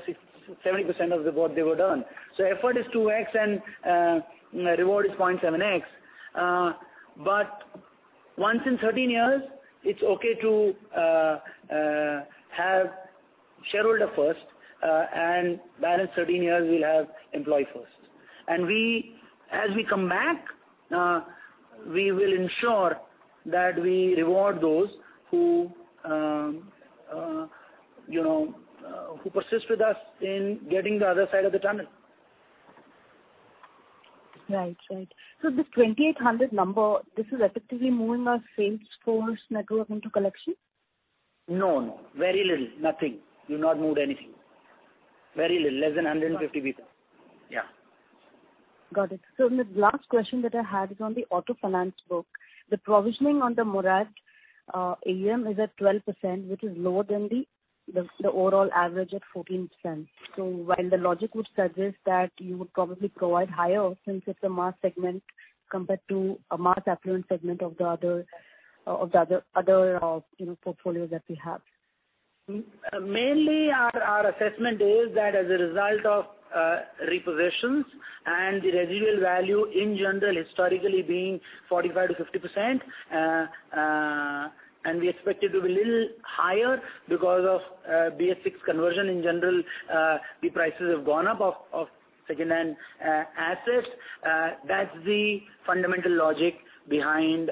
Speaker 3: 70% of what they would earn. Effort is 2x and reward is 0.7x. Once in 13 years, it's okay to have shareholder first, and balance 13 years, we'll have employee first. As we come back, we will ensure that we reward those who persist with us in getting the other side of the tunnel.
Speaker 9: Right. This 2,800 number, this is effectively moving our sales force network into collection?
Speaker 3: No. Very little. Nothing. We've not moved anything. Very little. Less than 150 people. Yeah.
Speaker 9: Got it. The last question that I had is on the auto finance book. The provisioning on the [morat] AUM is at 12%, which is lower than the overall average at 14%. While the logic would suggest that you would probably provide higher since it's a mass segment compared to a mass affluent segment of the other portfolio that we have.
Speaker 3: Mainly our assessment is that as a result of repossessions and the residual value in general historically being 45%-50%, and we expect it to be little higher because of BS6 conversion. In general, the prices have gone up of second-hand assets. That's the fundamental logic behind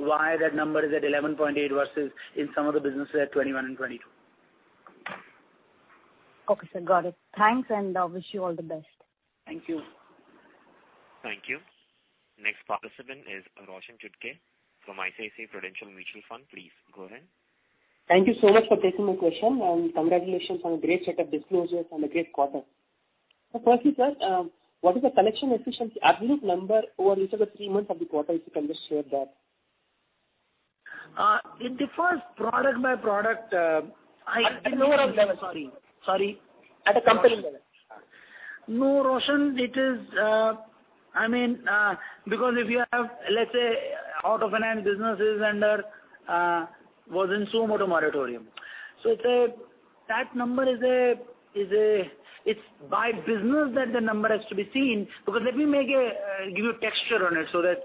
Speaker 3: why that number is at 11.8 versus in some other businesses at 21 and 22.
Speaker 9: Okay, sir. Got it. Thanks, and wish you all the best.
Speaker 3: Thank you.
Speaker 1: Thank you. Next participant is Roshan Chutkey from ICICI Prudential Mutual Fund. Please go ahead.
Speaker 10: Thank you so much for taking my question, and congratulations on a great set of disclosures and a great quarter. Firstly, sir, what is the collection efficiency absolute number over each of the three months of the quarter, if you can just share that?
Speaker 3: In the first product by product.
Speaker 10: At a company level.
Speaker 3: No, Roshan. If you have, let's say, auto finance businesses and was in suo motu moratorium. It's by business that the number has to be seen. Let me give you a texture on it so that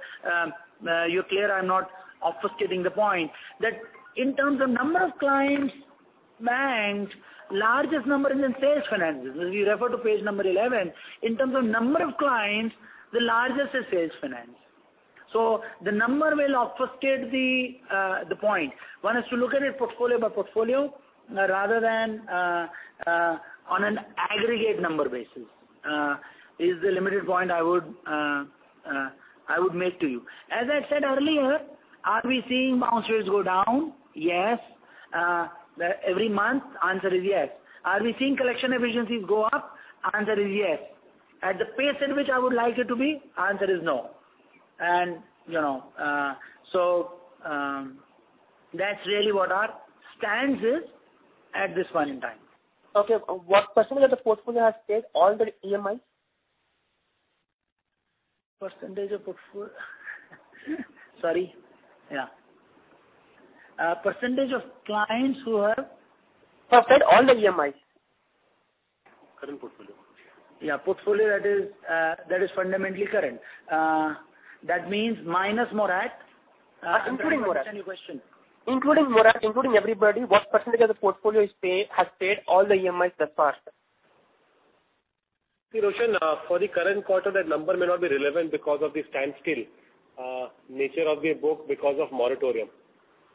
Speaker 3: you're clear I'm not obfuscating the point. In terms of number of clients banked, largest number is in sales finance. If you refer to page number 11, in terms of number of clients, the largest is sales finance. The number will obfuscate the point. One has to look at it portfolio by portfolio rather than on an aggregate number basis. Is the limited point I would make to you. As I said earlier, are we seeing bounce rates go down? Yes. Every month, answer is yes. Are we seeing collection efficiencies go up? Answer is yes. At the pace at which I would like it to be? Answer is no. That's really what our stance is at this point in time.
Speaker 10: One question is that the portfolio has paid all the EMIs
Speaker 3: Sorry. Yeah. Percentage of clients who have paid all the EMIs.
Speaker 10: Current portfolio.
Speaker 3: Yeah, portfolio that is fundamentally current. That means minus moratorium.
Speaker 10: Including moratorium.
Speaker 3: Let me understand your question.
Speaker 10: Including moratorium, including everybody, what percentage of the portfolio has paid all the EMIs thus far, sir?
Speaker 4: See, Roshan, for the current quarter, that number may not be relevant because of the standstill nature of the book because of moratorium.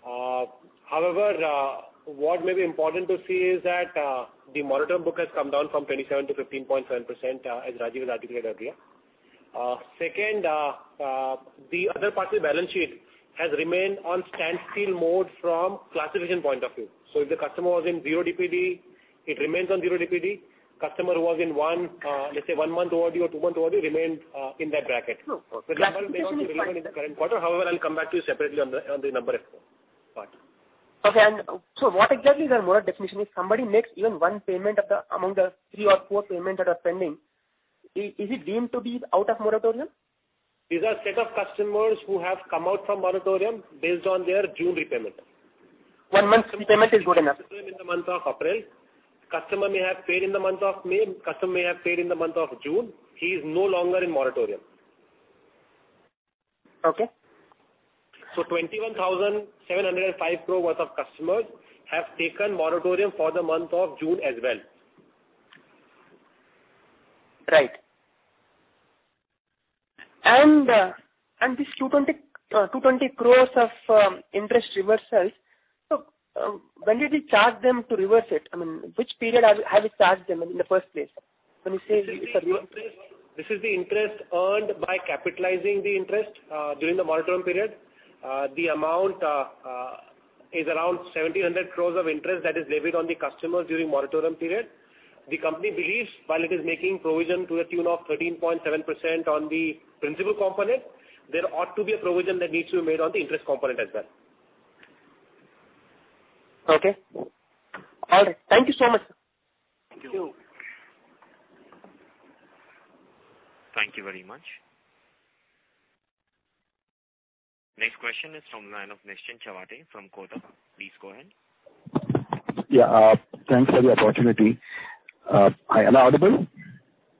Speaker 4: However, what may be important to see is that the moratorium book has come down from 27 to 15.7%, as Rajeev has articulated earlier. Second, the other parts of the balance sheet has remained on standstill mode from classification point of view. If the customer was in 0 DPD, it remains on 0 DPD. Customer who was in let's say, 1 month overdue or 2 months overdue, remained in that bracket.
Speaker 10: No. Okay.
Speaker 4: The number may not be relevant in the current quarter. I'll come back to you separately on the number part.
Speaker 10: Okay. What exactly is our moratorium definition? If somebody makes even one payment among the three or four payments that are pending, is he deemed to be out of moratorium?
Speaker 4: These are set of customers who have come out from moratorium based on their June repayment.
Speaker 10: One month repayment is good enough.
Speaker 4: Customer may have paid in the month of April. Customer may have paid in the month of May. Customer may have paid in the month of June. He is no longer in moratorium.
Speaker 10: Okay.
Speaker 4: 21,705 crore worth of customers have taken moratorium for the month of June as well.
Speaker 10: Right. This 220 crores of interest reversals. When did we charge them to reverse it? I mean, which period have you charged them in the first place?
Speaker 4: This is the interest earned by capitalizing the interest during the moratorium period. The amount is around 1,700 crore of interest that is debited on the customers during moratorium period. The company believes while it is making provision to the tune of 13.7% on the principal component, there ought to be a provision that needs to be made on the interest component as well.
Speaker 10: Okay. All right. Thank you so much.
Speaker 4: Thank you.
Speaker 3: Thank you.
Speaker 1: Thank you very much. Next question is from the line of Nischint Chawathe from Kotak. Please go ahead.
Speaker 11: Yeah. Thanks for the opportunity. Am I audible?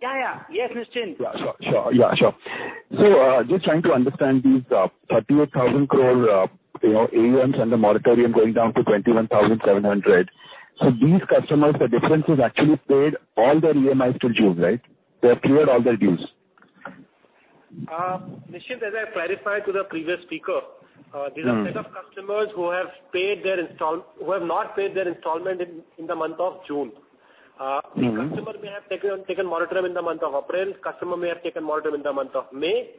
Speaker 3: Yeah. Yes, Nischint.
Speaker 11: Yeah, sure. Just trying to understand these 38,000 crore AUMs and the moratorium going down to 21,700 crore? These customers, the difference is actually paid all their EMIs till June, right? They have cleared all their dues.
Speaker 4: Nischint, as I clarified to the previous speaker, these are set of customers who have not paid their installment in the month of June. Customer may have taken moratorium in the month of April. Customer may have taken moratorium in the month of May.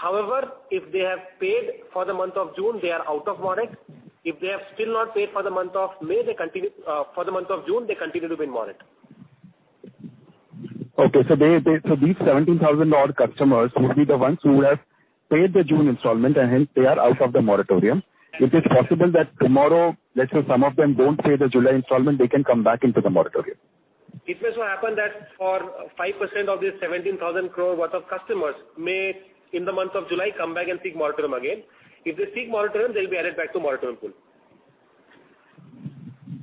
Speaker 4: However, if they have paid for the month of June, they are out of moratorium. If they have still not paid for the month of June, they continue to be in moratorium.
Speaker 11: These 17,000 odd customers would be the ones who would have paid the June installment, and hence they are out of the moratorium. It is possible that tomorrow, let's say some of them don't pay the July installment, they can come back into the moratorium.
Speaker 4: It may so happen that for 5% of the 17,000 crore worth of customers may, in the month of July, come back and seek moratorium again. If they seek moratorium, they'll be added back to moratorium pool.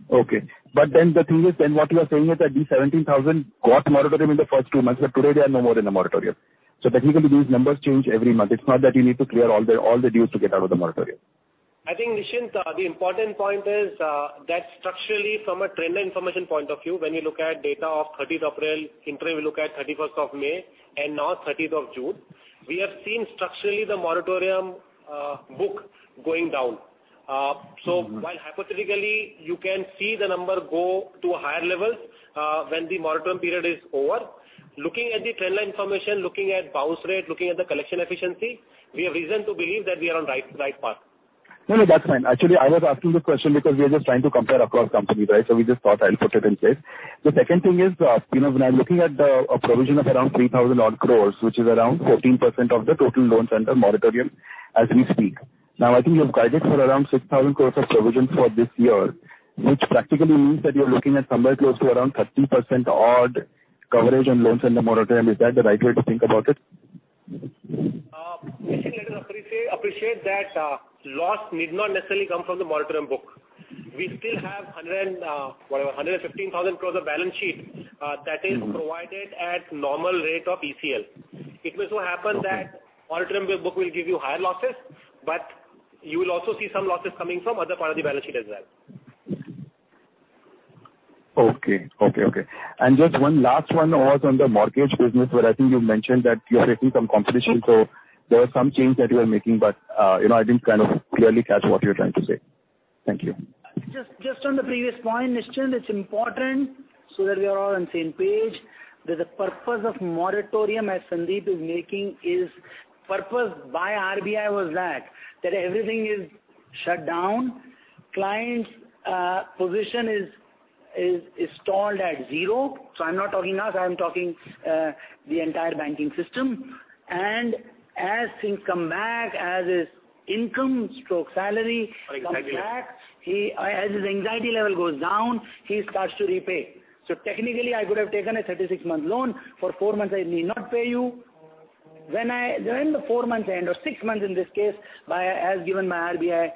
Speaker 11: The thing is, then what you are saying is that these 17,000 got moratorium in the first two months, but today they are no more in the moratorium. Technically, these numbers change every month. It's not that you need to clear all the dues to get out of the moratorium.
Speaker 4: I think, Nischint, the important point is that structurally, from a trend information point of view, when you look at data of 30th April, interim we look at 31st of May and now 30th of June, we have seen structurally the moratorium book going down. While hypothetically you can see the number go to higher levels when the moratorium period is over, looking at the trend line information, looking at bounce rate, looking at the collection efficiency, we have reason to believe that we are on right path.
Speaker 11: No, that's fine. Actually, I was asking this question because we are just trying to compare across companies, right? We just thought I'll put it in place. The second thing is, when I'm looking at a provision of around 3,000 odd crore, which is around 14% of the total loans under moratorium as we speak. I think you've guided for around 6,000 crore of provision for this year, which practically means that you're looking at somewhere close to around 30% odd coverage on loans under moratorium. Is that the right way to think about it?
Speaker 4: Nischint, let us appreciate that loss need not necessarily come from the moratorium book. We still have 115,000 crores of balance sheet that is provided at normal rate of ECL. It may so happen that moratorium book will give you higher losses. You will also see some losses coming from other part of the balance sheet as well.
Speaker 11: Okay. Just one last one was on the mortgage business, where I think you mentioned that you are facing some competition. There was some change that you are making. I didn't kind of clearly catch what you're trying to say. Thank you.
Speaker 3: Just on the previous point, Nischint, it's important so that we are all on the same page, that the purpose of moratorium as Sandeep is making is purpose by RBI was that everything is shut down. Client's position is stalled at zero. I'm not talking us, I'm talking the entire banking system. As things come back, as his income/salary comes back-
Speaker 11: Exactly
Speaker 3: as his anxiety level goes down, he starts to repay. Technically, I could have taken a 36-month loan. For four months, I need not pay you. When the four months end or six months in this case, as given by RBI,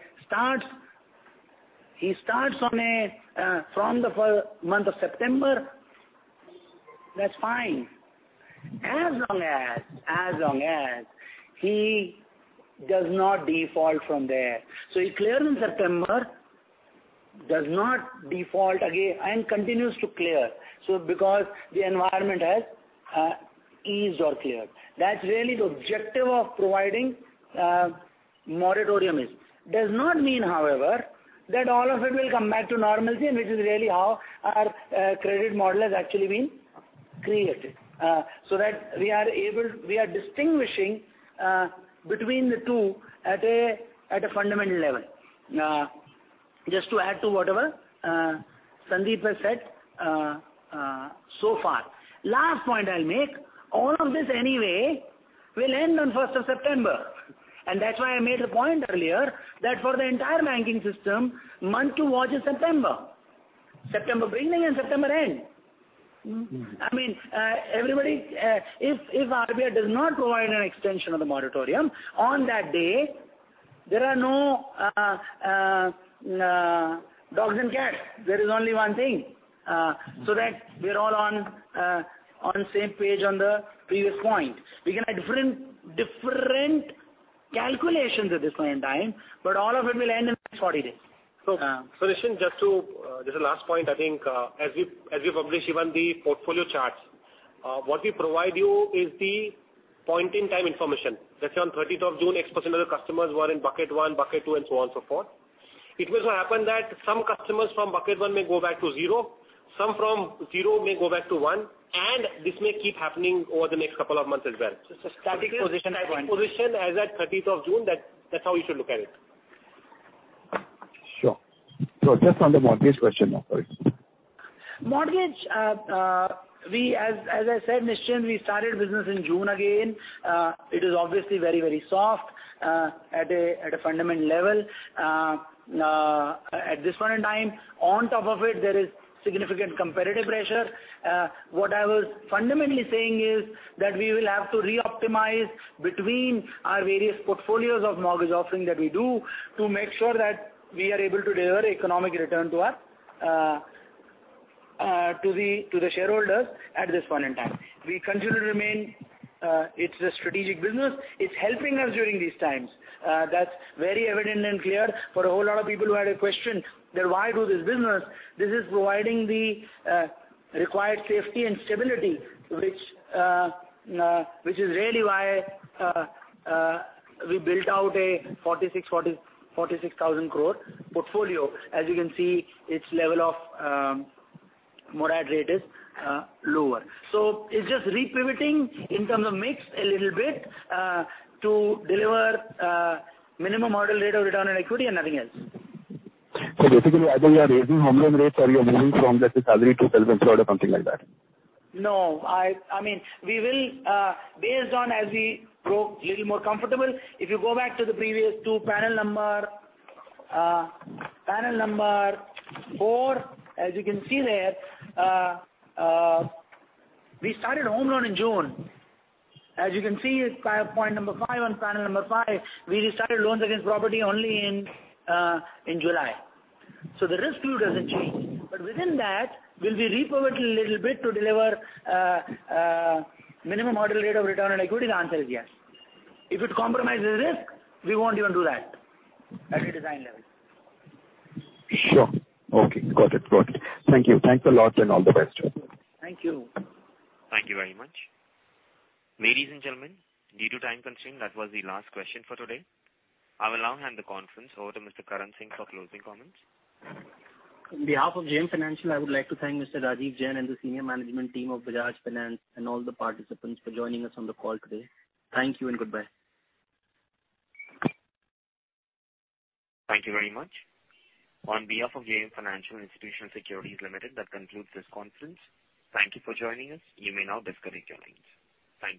Speaker 3: he starts from the month of September, that's fine, as long as he does not default from there. He's clear in September, does not default again, and continues to clear. The environment has eased or cleared. That's really the objective of providing moratorium is. Does not mean, however, that all of it will come back to normalcy, and which is really how our credit model has actually been created. That we are distinguishing between the two at a fundamental level. Just to add to whatever Sandeep has said so far. Last point I'll make, all of this anyway will end on 1st of September. That's why I made the point earlier, that for the entire banking system, month to watch is September. September beginning and September end. If RBI does not provide an extension of the moratorium, on that day, there are no dogs and cats. There is only one thing. That we're all on the same page on the previous point. We can have different calculations at this point in time, but all of it will end in the next 40 days.
Speaker 4: Nischint, this is last point, I think. As we publish even the portfolio charts, what we provide you is the point-in-time information. Let's say on 30th of June, X% of customers were in bucket 1, bucket 2, and so on, so forth. It may so happen that some customers from bucket 1 may go back to 0, some from 0 may go back to 1, and this may keep happening over the next couple of months as well.
Speaker 3: Static position at one.
Speaker 4: Static position as at 30th of June, that's how you should look at it.
Speaker 11: Sure. Just on the mortgage question now for you.
Speaker 3: Mortgage, as I said, Nischint, we started business in June again. It is obviously very soft at a fundamental level. At this point in time, on top of it, there is significant competitive pressure. What I was fundamentally saying is that we will have to re-optimize between our various portfolios of mortgage offerings that we do to make sure that we are able to deliver economic return to the shareholders at this point in time. It's a strategic business. It's helping us during these times. That's very evident and clear for a whole lot of people who had a question that why do this business. This is providing the required safety and stability, which is really why we built out a 46,000 crore portfolio. As you can see, its level of moratorium rate is lower. It's just re-pivoting in terms of mix a little bit, to deliver minimum hurdle rate of return on equity and nothing else.
Speaker 11: Basically, either you are raising home loan rates or you're moving from the salary to self-employed or something like that.
Speaker 3: No. Based on as we grow a little more comfortable, if you go back to the previous two, panel number 4, as you can see there, we started home loan in June. As you can see at point number 5 on panel number 5, we restarted loans against property only in July. The risk view doesn't change. Within that, will we be re-pivoting a little bit to deliver minimum hurdle rate of return on equity? The answer is yes. If it compromises risk, we won't even do that at a design level.
Speaker 11: Sure. Okay. Got it. Thank you. Thanks a lot and all the best.
Speaker 3: Thank you.
Speaker 1: Thank you very much. Ladies and gentlemen, due to time constraint, that was the last question for today. I will now hand the conference over to Mr. Karan Singh for closing comments.
Speaker 2: On behalf of JM Financial, I would like to thank Mr. Rajeev Jain and the senior management team of Bajaj Finance and all the participants for joining us on the call today. Thank you and goodbye.
Speaker 1: Thank you very much. On behalf of JM Financial Institutional Securities Limited, that concludes this conference. Thank you for joining us. You may now disconnect your lines. Thank you.